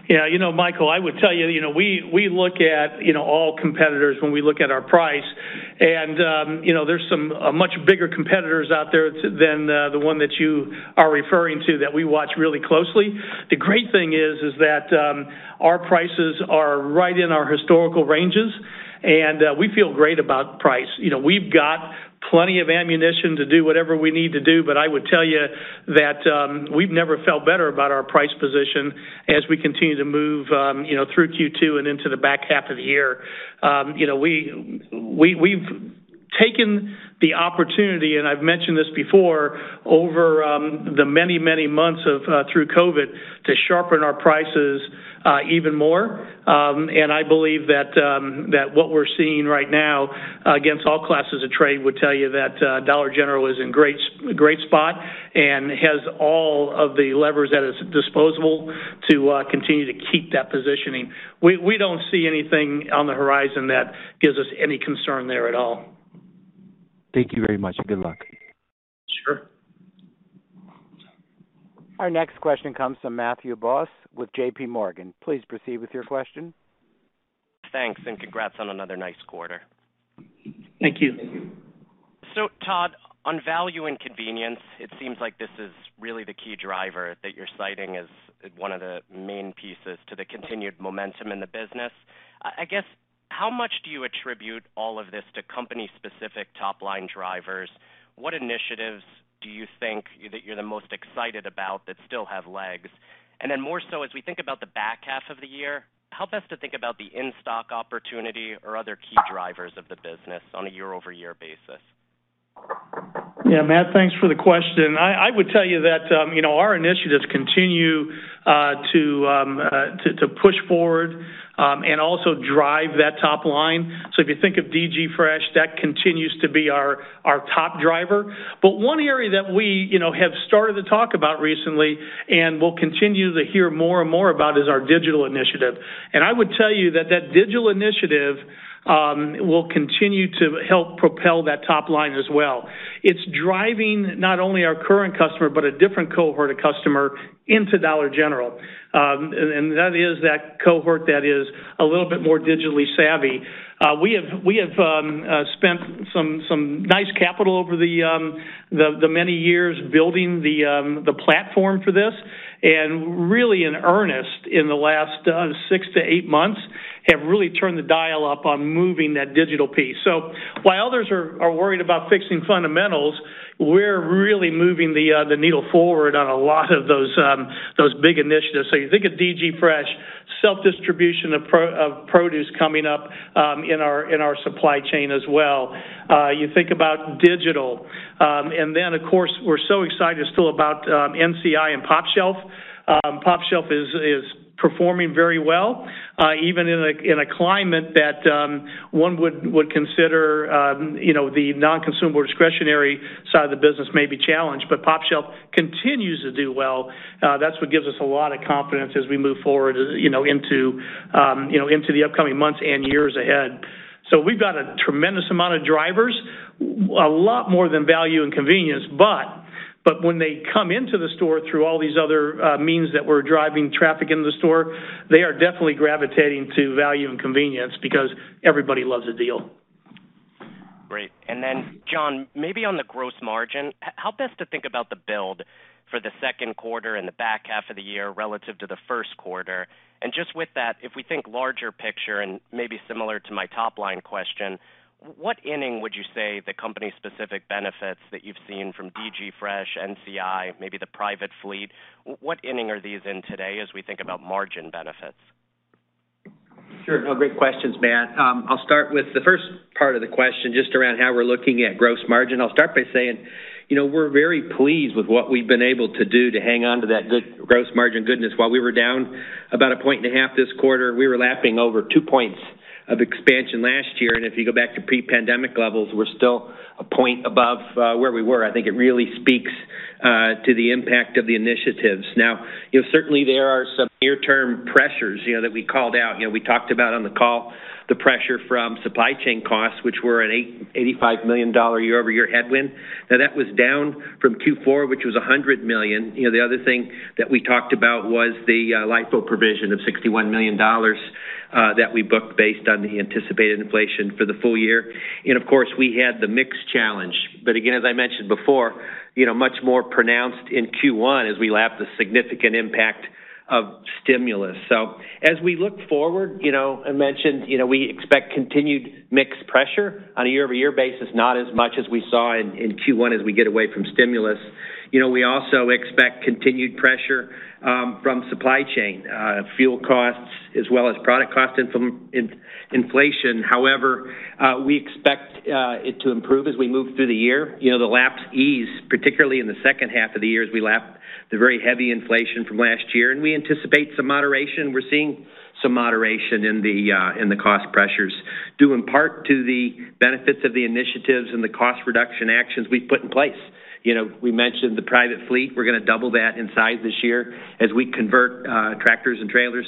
[SPEAKER 3] Yeah, Michael, I would tell you we look at all competitors when we look at our price. There are much bigger competitors out there than the one that you are referring to that we watch really closely. The great thing is that our prices are right in our historical ranges, and we feel great about price. We've got plenty of ammunition to do whatever we need to do. I would tell you that we've never felt better about our price position as we continue to move through Q2 and into the back half of the year. We've taken the opportunity, and I've mentioned this before, over the many months through COVID, to sharpen our prices even more. I believe that what we're seeing right now against all classes of trade would tell you that Dollar General is in a great spot and has all of the levers at its disposal to continue to keep that positioning. We don't see anything on the horizon that gives us any concern there at all.
[SPEAKER 7] Thank you very much, and good luck.
[SPEAKER 3] Sure.
[SPEAKER 1] Our next question comes from Matthew Boss with J.P. Morgan. Please proceed with your question.
[SPEAKER 8] Thanks and congrats on another nice quarter.
[SPEAKER 3] Thank you.
[SPEAKER 8] Todd, on value and convenience, it seems like this is really the key driver that you're citing as one of the main pieces to the continued momentum in the business. I guess, how much do you attribute all of this to company specific top line drivers? What initiatives do you think that you're the most excited about that still have legs? And then more so as we think about the back half of the year, help us to think about the in-stock opportunity or other key drivers of the business on a year over year basis.
[SPEAKER 3] Yeah, Matthew, thanks for the question. I would tell you that, you know, our initiatives continue to push forward and also drive that top line. If you think of DG Fresh, that continues to be our top driver. But one area that we, you know, have started to talk about recently and will continue to hear more and more about is our digital initiative. I would tell you that that digital initiative will continue to help propel that top line as well. It's driving not only our current customer but a different cohort of customer into Dollar General. That is that cohort that is a little bit more digitally savvy. We have spent some nice capital over the many years building the platform for this, and really in earnest in the last six to eight months, have really turned the dial up on moving that digital piece. While others are worried about fixing fundamentals, we're really moving the needle forward on a lot of those big initiatives. You think of DG Fresh, self-distribution of produce coming up in our supply chain as well. You think about digital. Of course we're so excited still about NCI and pOpshelf. pOpshelf is performing very well, even in a climate that one would consider, you know, the non-consumable discretionary side of the business may be challenged, but pOpshelf continues to do well. That's what gives us a lot of confidence as we move forward, you know, into the upcoming months and years ahead. We've got a tremendous amount of drivers, a lot more than value and convenience. When they come into the store through all these other means that we're driving traffic into the store, they are definitely gravitating to value and convenience because everybody loves a deal.
[SPEAKER 8] Great. Then John, maybe on the gross margin, how best to think about the build for the Q2 and the back half of the year relative to the Q1. Just with that, if we think big picture and maybe similar to my top line question, what inning would you say the company's specific benefits that you've seen from DG Fresh, NCI, maybe the private fleet, what inning are these in today as we think about margin benefits?
[SPEAKER 4] Sure. No, great questions, Matt. I'll start with the first part of the question, just around how we're looking at gross margin. I'll start by saying, you know, we're very pleased with what we've been able to do to hang on to that good gross margin goodness. While we were down about 1.5% this quarter, we were lapping over 2% of expansion last year. If you go back to pre-pandemic levels, we're still 1% above where we were. I think it really speaks to the impact of the initiatives. Now, you know, certainly there are some near-term pressures, you know, that we called out. You know, we talked about on the call the pressure from supply chain costs, which were an $85 million year-over-year headwind. Now that was down from Q4, which was $100 million. You know, the other thing that we talked about was the LIFO provision of $61 million that we booked based on the anticipated inflation for the full year. Of course, we had the mix challenge. Again, as I mentioned before, you know, much more pronounced in Q1 as we lap the significant impact of stimulus. As we look forward, you know, I mentioned, you know, we expect continued mix pressure on a year-over-year basis, not as much as we saw in Q1 as we get away from stimulus. You know, we also expect continued pressure from supply chain, fuel costs as well as product cost inflation. However, we expect it to improve as we move through the year. You know, the lapping ease, particularly in the H2 of the year as we lap the very heavy inflation from last year, and we anticipate some moderation. We're seeing some moderation in the cost pressures, due in part to the benefits of the initiatives and the cost reduction actions we've put in place. You know, we mentioned the private fleet. We're gonna double that in size this year as we convert tractors and trailers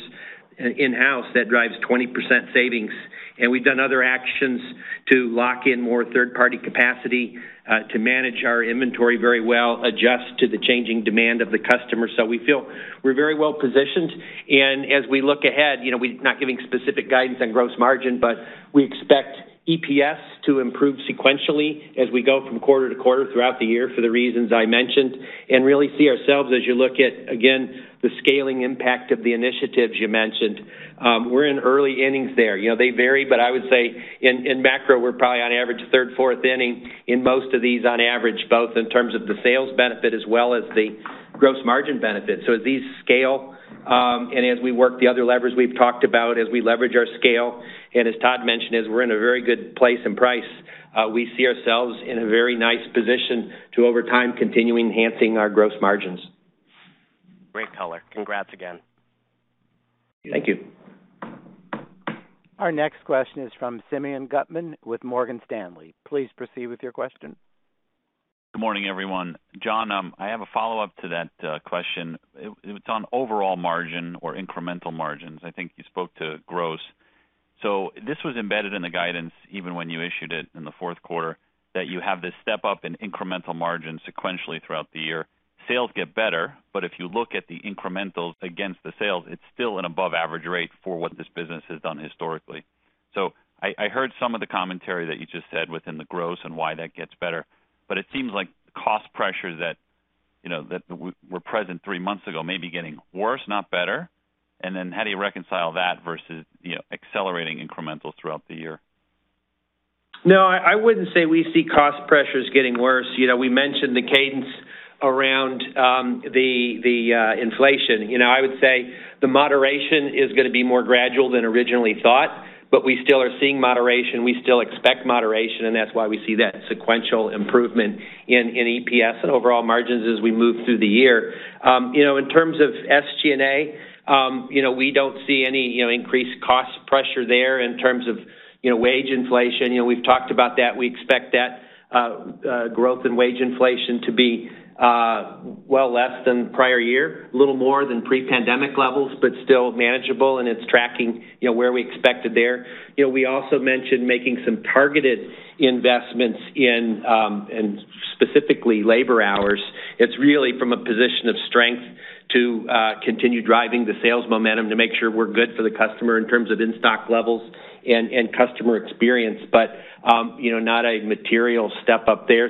[SPEAKER 4] in-house, that drives 20% savings. And we've done other actions to lock in more third party capacity to manage our inventory very well, adjust to the changing demand of the customer. We feel we're very well positioned. As we look ahead, you know, we're not giving specific guidance on gross margin, but we expect EPS to improve sequentially as we go from quarter to quarter throughout the year for the reasons I mentioned, and really see ourselves as you look at, again, the scaling impact of the initiatives you mentioned. We're in early innings there. You know, they vary, but I would say in macro, we're probably on average third, fourth inning in most of these on average, both in terms of the sales benefit as well as the gross margin benefit. So as these scale, and as we work the other levers we've talked about, as we leverage our scale, and as Todd mentioned, as we're in a very good place and price, we see ourselves in a very nice position to over time, continue enhancing our gross margins.
[SPEAKER 8] Great color. Congrats again.
[SPEAKER 4] Thank you.
[SPEAKER 1] Our next question is from Simeon Gutman with Morgan Stanley. Please proceed with your question.
[SPEAKER 9] Good morning, everyone. John, I have a follow-up to that question. It's on overall margin or incremental margins. I think you spoke to gross. This was embedded in the guidance even when you issued it in the Q4, that you have this step up in incremental margins sequentially throughout the year. Sales get better, but if you look at the incrementals against the sales, it's still an above average rate for what this business has done historically. I heard some of the commentary that you just said within the gross and why that gets better, but it seems like cost pressures that you know were present three months ago may be getting worse, not better. How do you reconcile that versus you know accelerating incrementals throughout the year?
[SPEAKER 4] No, I wouldn't say we see cost pressures getting worse. You know, we mentioned the cadence around the inflation. You know, I would say the moderation is gonna be more gradual than originally thought, but we still are seeing moderation. We still expect moderation, and that's why we see that sequential improvement in EPS and overall margins as we move through the year. You know, in terms of SG&A, you know, we don't see any increased cost pressure there in terms of wage inflation. You know, we've talked about that. We expect that growth in wage inflation to be well less than prior year, a little more than pre-pandemic levels, but still manageable and it's tracking, you know, where we expected there. You know, we also mentioned making some targeted investments in specifically labor hours. It's really from a position of strength to continue driving the sales momentum to make sure we're good for the customer in terms of in-stock levels and customer experience, but you know, not a material step up there.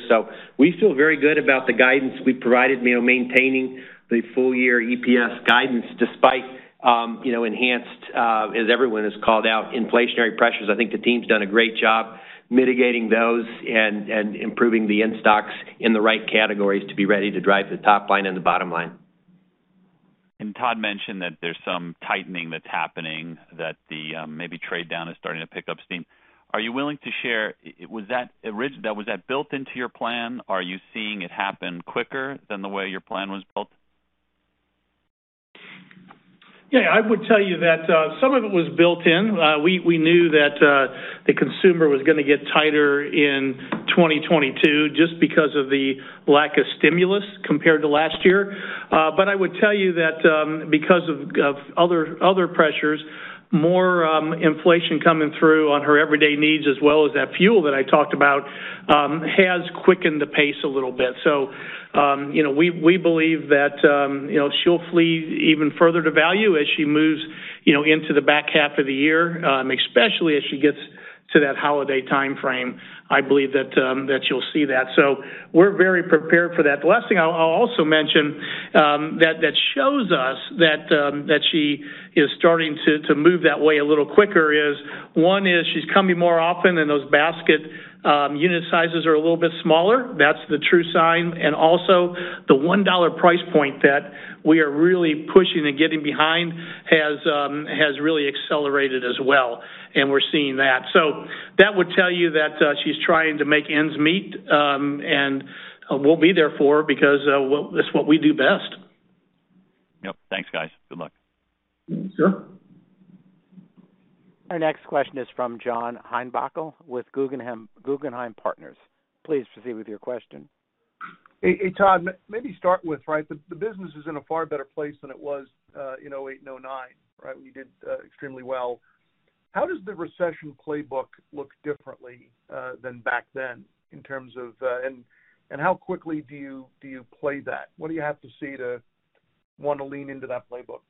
[SPEAKER 4] We feel very good about the guidance we provided, you know, maintaining the full year EPS guidance despite, you know, enhanced, as everyone has called out, inflationary pressures. I think the team's done a great job mitigating those and improving the in-stocks in the right categories to be ready to drive the top line and the bottom line.
[SPEAKER 9] Todd mentioned that there's some tightening that's happening, that the maybe trade-down is starting to pick up steam. Was that built into your plan? Are you seeing it happen quicker than the way your plan was built?
[SPEAKER 3] Yeah, I would tell you that some of it was built in. We knew that the consumer was gonna get tighter in 2022 just because of the lack of stimulus compared to last year. I would tell you that because of other pressures, more inflation coming through on her everyday needs, as well as that fuel that I talked about has quickened the pace a little bit. You know, we believe that you know, she'll flee even further to value as she moves you know, into the back half of the year, especially as she gets to that holiday timeframe. I believe that you'll see that. We're very prepared for that. The last thing I'll also mention that shows us that she is starting to move that way a little quicker. One is she's coming more often and those basket unit sizes are a little bit smaller. That's the true sign. Also the $1 price point that we are really pushing and getting behind has really accelerated as well, and we're seeing that. That would tell you that she's trying to make ends meet, and we'll be there for her because that's what we do best.
[SPEAKER 9] Yep. Thanks, guys. Good luck.
[SPEAKER 3] Sure.
[SPEAKER 1] Our next question is from John Heinbockel with Guggenheim Partners. Please proceed with your question.
[SPEAKER 10] Hey, Todd. Maybe start with, right, the business is in a far better place than it was in 2008 and 2009, right? We did extremely well. How does the recession playbook look differently than back then in terms of how quickly do you play that? What do you have to see to want to lean into that playbook?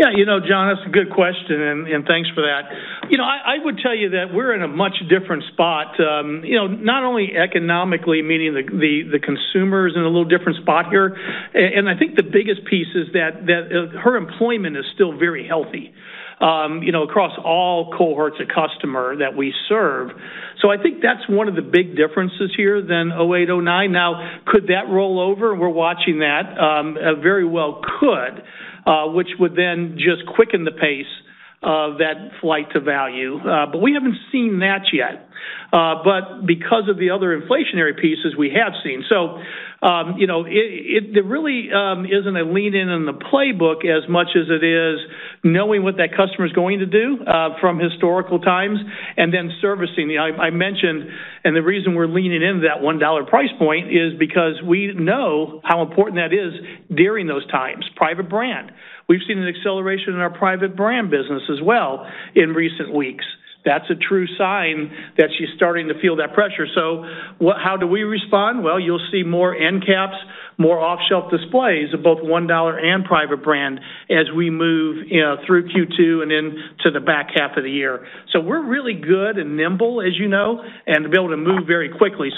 [SPEAKER 3] Yeah. You know, John, that's a good question, and thanks for that. You know, I would tell you that we're in a much different spot, you know, not only economically, meaning the consumer's in a little different spot here. I think the biggest piece is that her employment is still very healthy, you know, across all cohorts of customer that we serve. I think that's one of the big differences here than 2008, 2009. Now, could that roll over? We're watching that. It very well could, which would then just quicken the pace of that flight to value. We haven't seen that yet. Because of the other inflationary pieces, we have seen. You know, there really isn't a lean in on the playbook as much as it is knowing what that customer's going to do from historical times and then servicing. I mentioned, and the reason we're leaning into that $1 price point is because we know how important that is during those times. Private brand. We've seen an acceleration in our private brand business as well in recent weeks. That's a true sign that she's starting to feel that pressure. How do we respond? Well, you'll see more end caps, more off-shelf displays of both $1 and private brand as we move, you know, through Q2 and into the back half of the year. We're really good and nimble, as you know, and to be able to move very quickly.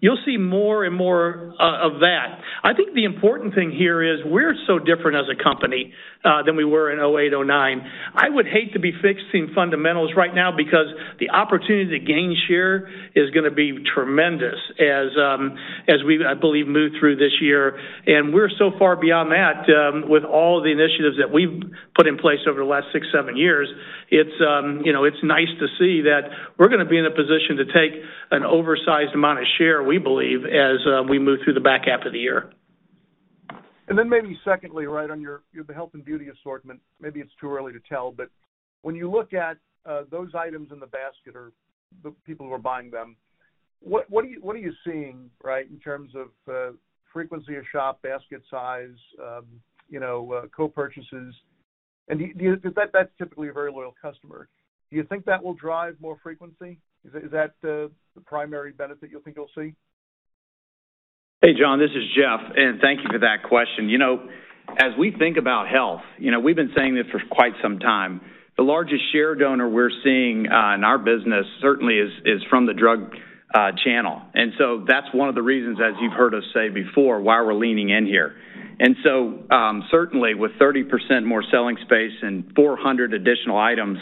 [SPEAKER 3] You'll see more and more of that. I think the important thing here is we're so different as a company than we were in 2008, 2009. I would hate to be fixing fundamentals right now because the opportunity to gain share is gonna be tremendous as we, I believe, move through this year. We're so far beyond that with all of the initiatives that we've put in place over the last six, seven years. It's you know, it's nice to see that we're gonna be in a position to take an oversized amount of share, we believe, as we move through the back half of the year.
[SPEAKER 10] Maybe secondly, right on your health and beauty assortment, maybe it's too early to tell, but when you look at those items in the basket or the people who are buying them, what are you seeing, right, in terms of frequency of shop, basket size, you know, co-purchases? Do you 'cause that's typically a very loyal customer. Do you think that will drive more frequency? Is that the primary benefit you think you'll see?
[SPEAKER 5] Hey, John, this is Jeff, and thank you for that question. You know, as we think about health, you know, we've been saying this for quite some time. The largest share donor we're seeing in our business certainly is from the drug channel. That's one of the reasons, as you've heard us say before, why we're leaning in here. Certainly with 30% more selling space and 400 additional items,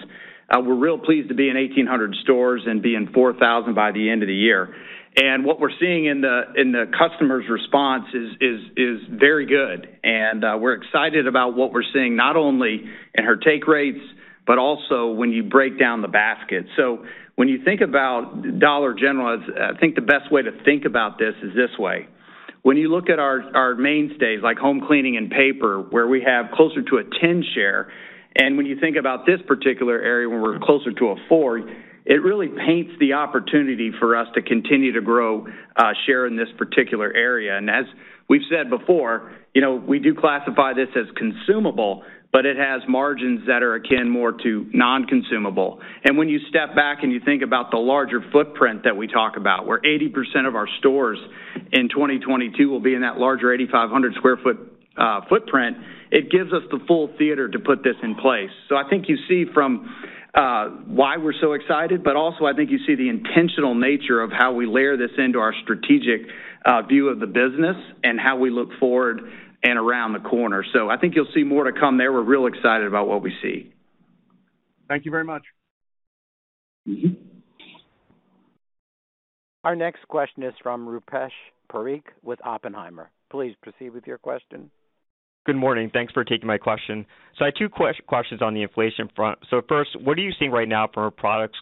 [SPEAKER 5] we're real pleased to be in 1,800 stores and be in 4,000 by the end of the year. What we're seeing in the customers' response is very good, and we're excited about what we're seeing not only in our take rates, but also when you break down the basket. When you think about Dollar General, I think the best way to think about this is this way. When you look at our mainstays like home cleaning and paper, where we have closer to a 10% share, and when you think about this particular area where we're closer to a 4%, it really paints the opportunity for us to continue to grow share in this particular area. As we've said before, you know, we do classify this as consumable, but it has margins that are akin more to non-consumable. When you step back and you think about the larger footprint that we talk about, where 80% of our stores in 2022 will be in that larger 8,500 sq ft footprint, it gives us the full theater to put this in place. I think you see from why we're so excited, but also I think you see the intentional nature of how we layer this into our strategic view of the business and how we look forward and around the corner. I think you'll see more to come there. We're real excited about what we see.
[SPEAKER 10] Thank you very much.
[SPEAKER 1] Our next question is from Rupesh Parikh with Oppenheimer. Please proceed with your question.
[SPEAKER 11] Good morning. Thanks for taking my question. I had two questions on the inflation front. First, what are you seeing right now from a product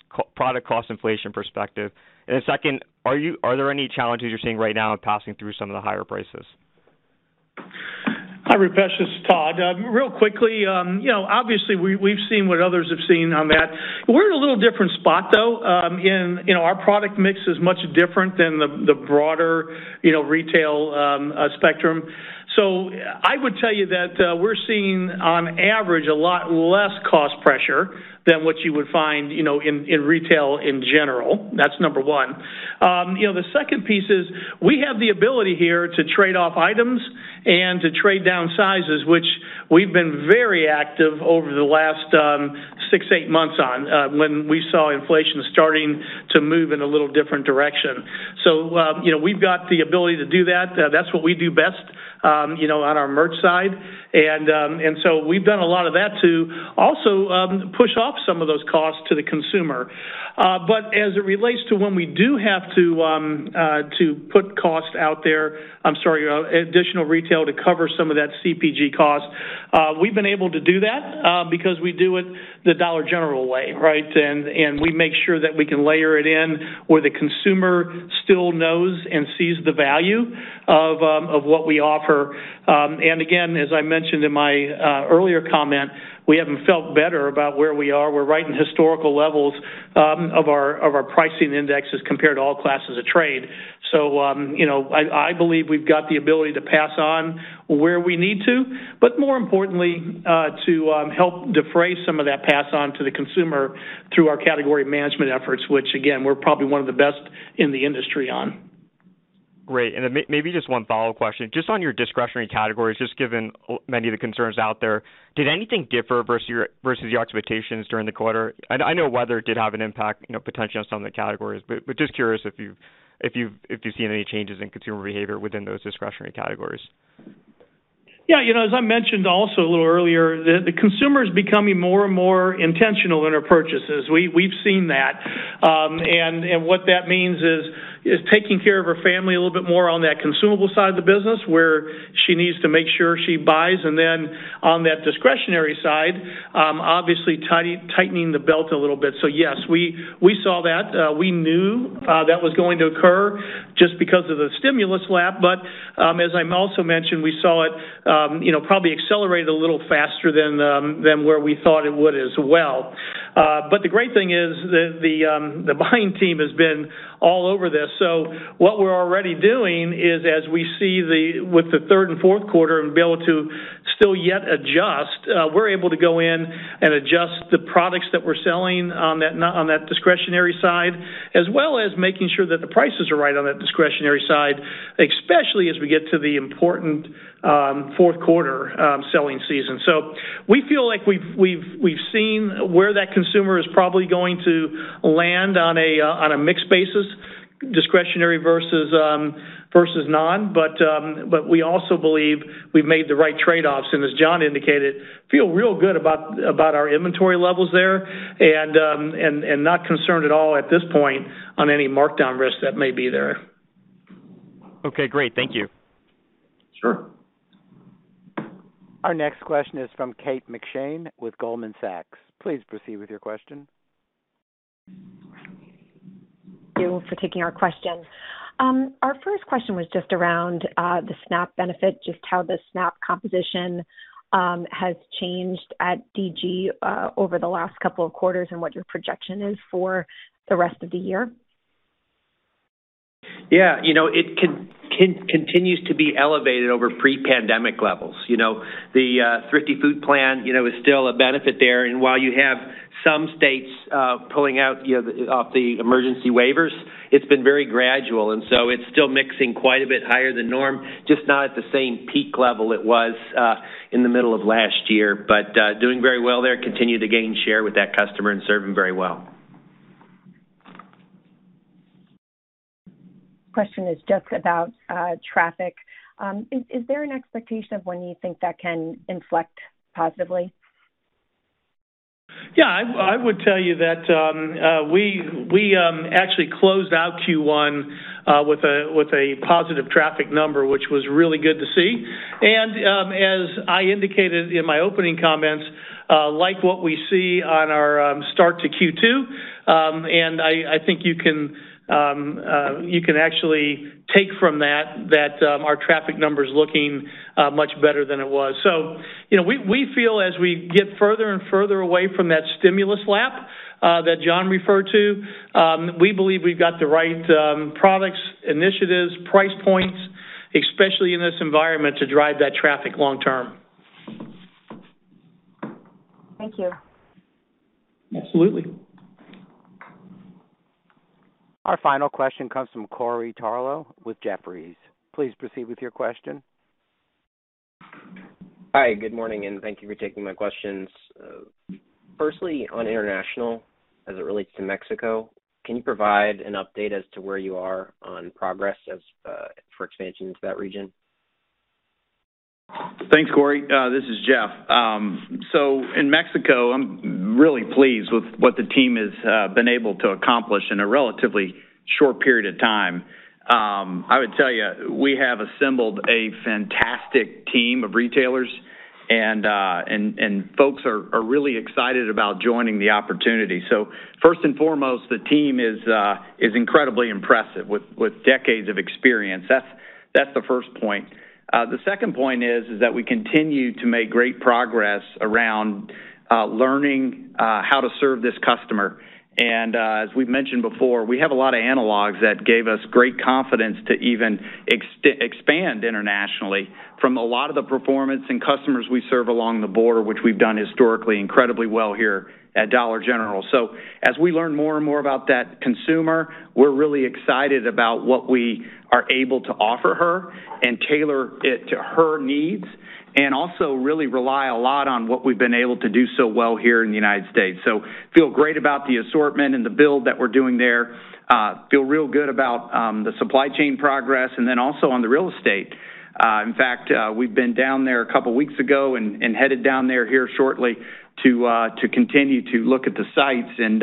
[SPEAKER 11] cost inflation perspective? And then second, are there any challenges you're seeing right now in passing through some of the higher prices?
[SPEAKER 3] Hi, Rupesh. This is Todd. Real quickly, you know, obviously, we've seen what others have seen on that. We're in a little different spot, though, in, you know, our product mix is much different than the broader, you know, retail spectrum. So I would tell you that, we're seeing on average a lot less cost pressure than what you would find, you know, in retail in general. That's number one. You know, the second piece is we have the ability here to trade off items and to trade down sizes, which we've been very active over the last six-eight months on, when we saw inflation starting to move in a little different direction. So, you know, we've got the ability to do that. That's what we do best, you know, on our merch side. We've done a lot of that to also push off some of those costs to the consumer. As it relates to when we do have to to put costs out there, I'm sorry, additional retail to cover some of that CPG cost, we've been able to do that because we do it the Dollar General way, right? We make sure that we can layer it in where the consumer still knows and sees the value of what we offer. Again, as I mentioned in my earlier comment, we haven't felt better about where we are. We're right in historical levels of our pricing indexes compared to all classes of trade. You know, I believe we've got the ability to pass on where we need to, but more importantly, to help defray some of that pass on to the consumer through our category management efforts, which again, we're probably one of the best in the industry on.
[SPEAKER 11] Great. Maybe just one follow-up question. Just on your discretionary categories, just given many of the concerns out there, did anything differ versus your expectations during the quarter? I know weather did have an impact, you know, potentially on some of the categories, but just curious if you've seen any changes in consumer behavior within those discretionary categories.
[SPEAKER 3] Yeah. You know, as I mentioned also a little earlier, the consumer's becoming more and more intentional in her purchases. We've seen that. And what that means is taking care of her family a little bit more on that consumable side of the business where she needs to make sure she buys, and then on that discretionary side, obviously tightening the belt a little bit. Yes, we saw that. We knew that was going to occur just because of the stimulus lapse. As I also mentioned, we saw it, you know, probably accelerated a little faster than where we thought it would as well. The great thing is the buying team has been all over this. What we're already doing is as we see the third and Q4 and be able to still yet adjust, we're able to go in and adjust the products that we're selling on that, on that discretionary side, as well as making sure that the prices are right on that discretionary side, especially as we get to the important, Q4, selling season. We feel like we've seen where that consumer is probably going to land on a, on a mixed basis, discretionary versus non. We also believe we've made the right trade-offs, and as John indicated, feel real good about our inventory levels there and not concerned at all at this point on any markdown risks that may be there.
[SPEAKER 11] Okay, great. Thank you.
[SPEAKER 3] Sure.
[SPEAKER 1] Our next question is from Kate McShane with Goldman Sachs. Please proceed with your question.
[SPEAKER 12] Thank you for taking our question. Our first question was just around the SNAP benefit, just how the SNAP composition has changed at DG over the last couple of quarters and what your projection is for the rest of the year.
[SPEAKER 4] Yeah. You know, it continues to be elevated over pre-pandemic levels. You know, the Thrifty Food Plan, you know, is still a benefit there. While you have some states pulling out of the emergency waivers, it's been very gradual, and so it's still coming quite a bit higher than norm, just not at the same peak level it was in the middle of last year. Doing very well there, continue to gain share with that customer and serve them very well.
[SPEAKER 12] Question is just about traffic. Is there an expectation of when you think that can inflect positively?
[SPEAKER 3] Yeah. I would tell you that we actually closed out Q1 with a positive traffic number, which was really good to see. As I indicated in my opening comments, like what we see on our start of Q2, and I think you can actually take from that that our traffic number's looking much better than it was. You know, we feel as we get further and further away from that stimulus lag that John referred to, we believe we've got the right products, initiatives, price points, especially in this environment to drive that traffic long term.
[SPEAKER 12] Thank you.
[SPEAKER 3] Absolutely.
[SPEAKER 1] Our final question comes from Corey Tarlowe with Jefferies. Please proceed with your question.
[SPEAKER 13] Hi, good morning, and thank you for taking my questions. Firstly, on international as it relates to Mexico, can you provide an update as to where you are on progress as for expansion into that region?
[SPEAKER 5] Thanks, Corey. This is Jeff. In Mexico, I'm really pleased with what the team has been able to accomplish in a relatively short period of time. I would tell you, we have assembled a fantastic team of retailers. Folks are really excited about joining the opportunity. First and foremost, the team is incredibly impressive with decades of experience. That's the first point. The second point is that we continue to make great progress around learning how to serve this customer. As we've mentioned before, we have a lot of analogs that gave us great confidence to even expand internationally from a lot of the performance and customers we serve along the border, which we've done historically incredibly well here at Dollar General. As we learn more and more about that consumer, we're really excited about what we are able to offer her and tailor it to her needs and also really rely a lot on what we've been able to do so well here in the United States. Feel great about the assortment and the build that we're doing there. Feel real good about the supply chain progress, and then also on the real estate. In fact, we've been down there a couple weeks ago and headed down there here shortly to continue to look at the sites and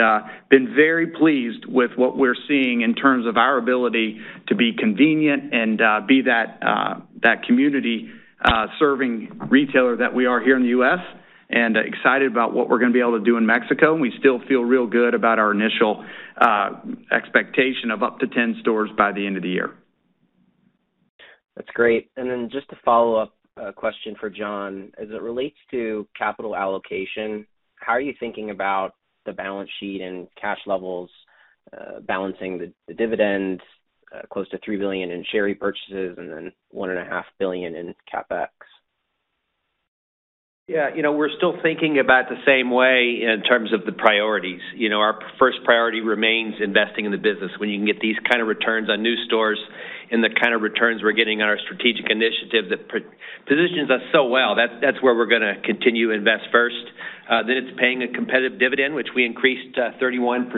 [SPEAKER 5] been very pleased with what we're seeing in terms of our ability to be convenient and be that community serving retailer that we are here in the U.S. excited about what we're gonna be able to do in Mexico. We still feel real good about our initial expectation of up to 10 stores by the end of the year.
[SPEAKER 13] That's great. Just a follow-up question for John. As it relates to capital allocation, how are you thinking about the balance sheet and cash levels, balancing the dividends, close to $3 billion in share repurchases and then $1.5 billion in CapEx?
[SPEAKER 4] Yeah. You know, we're still thinking about the same way in terms of the priorities. You know, our first priority remains investing in the business. When you can get these kind of returns on new stores and the kind of returns we're getting on our strategic initiative that positions us so well, that's where we're gonna continue to invest first. Then it's paying a competitive dividend, which we increased 31%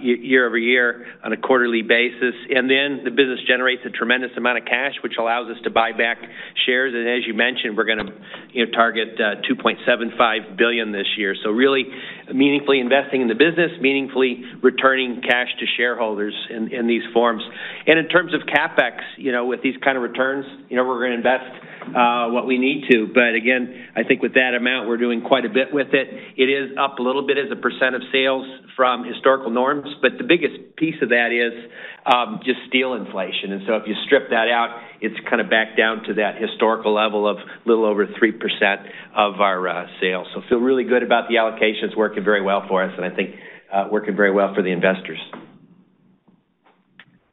[SPEAKER 4] year-over-year on a quarterly basis. Then the business generates a tremendous amount of cash, which allows us to buy back shares. As you mentioned, we're gonna target $2.75 billion this year. Really meaningfully investing in the business, meaningfully returning cash to shareholders in these forms.
[SPEAKER 5] In terms of CapEx, you know, with these kind of returns, you know, we're gonna invest what we need to. Again, I think with that amount, we're doing quite a bit with it. It is up a little bit as a percent of sales from historical norms, but the biggest piece of that is just steel inflation. If you strip that out, it's kind of back down to that historical level of little over 3% of our sales. Feel really good about the allocations working very well for us and I think working very well for the investors.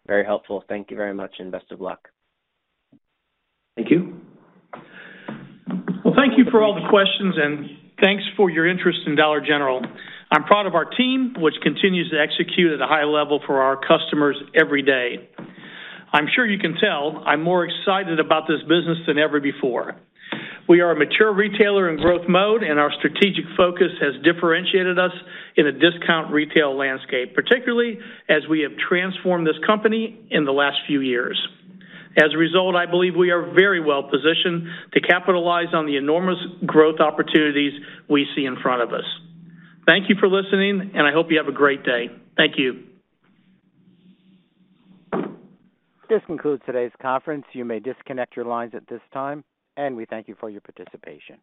[SPEAKER 13] Very helpful. Thank you very much, and best of luck.
[SPEAKER 5] Thank you.
[SPEAKER 3] Well, thank you for all the questions, and thanks for your interest in Dollar General. I'm proud of our team, which continues to execute at a high level for our customers every day. I'm sure you can tell I'm more excited about this business than ever before. We are a mature retailer in growth mode, and our strategic focus has differentiated us in a discount retail landscape, particularly as we have transformed this company in the last few years. As a result, I believe we are very well positioned to capitalize on the enormous growth opportunities we see in front of us. Thank you for listening, and I hope you have a great day. Thank you.
[SPEAKER 1] This concludes today's conference. You may disconnect your lines at this time, and we thank you for your participation.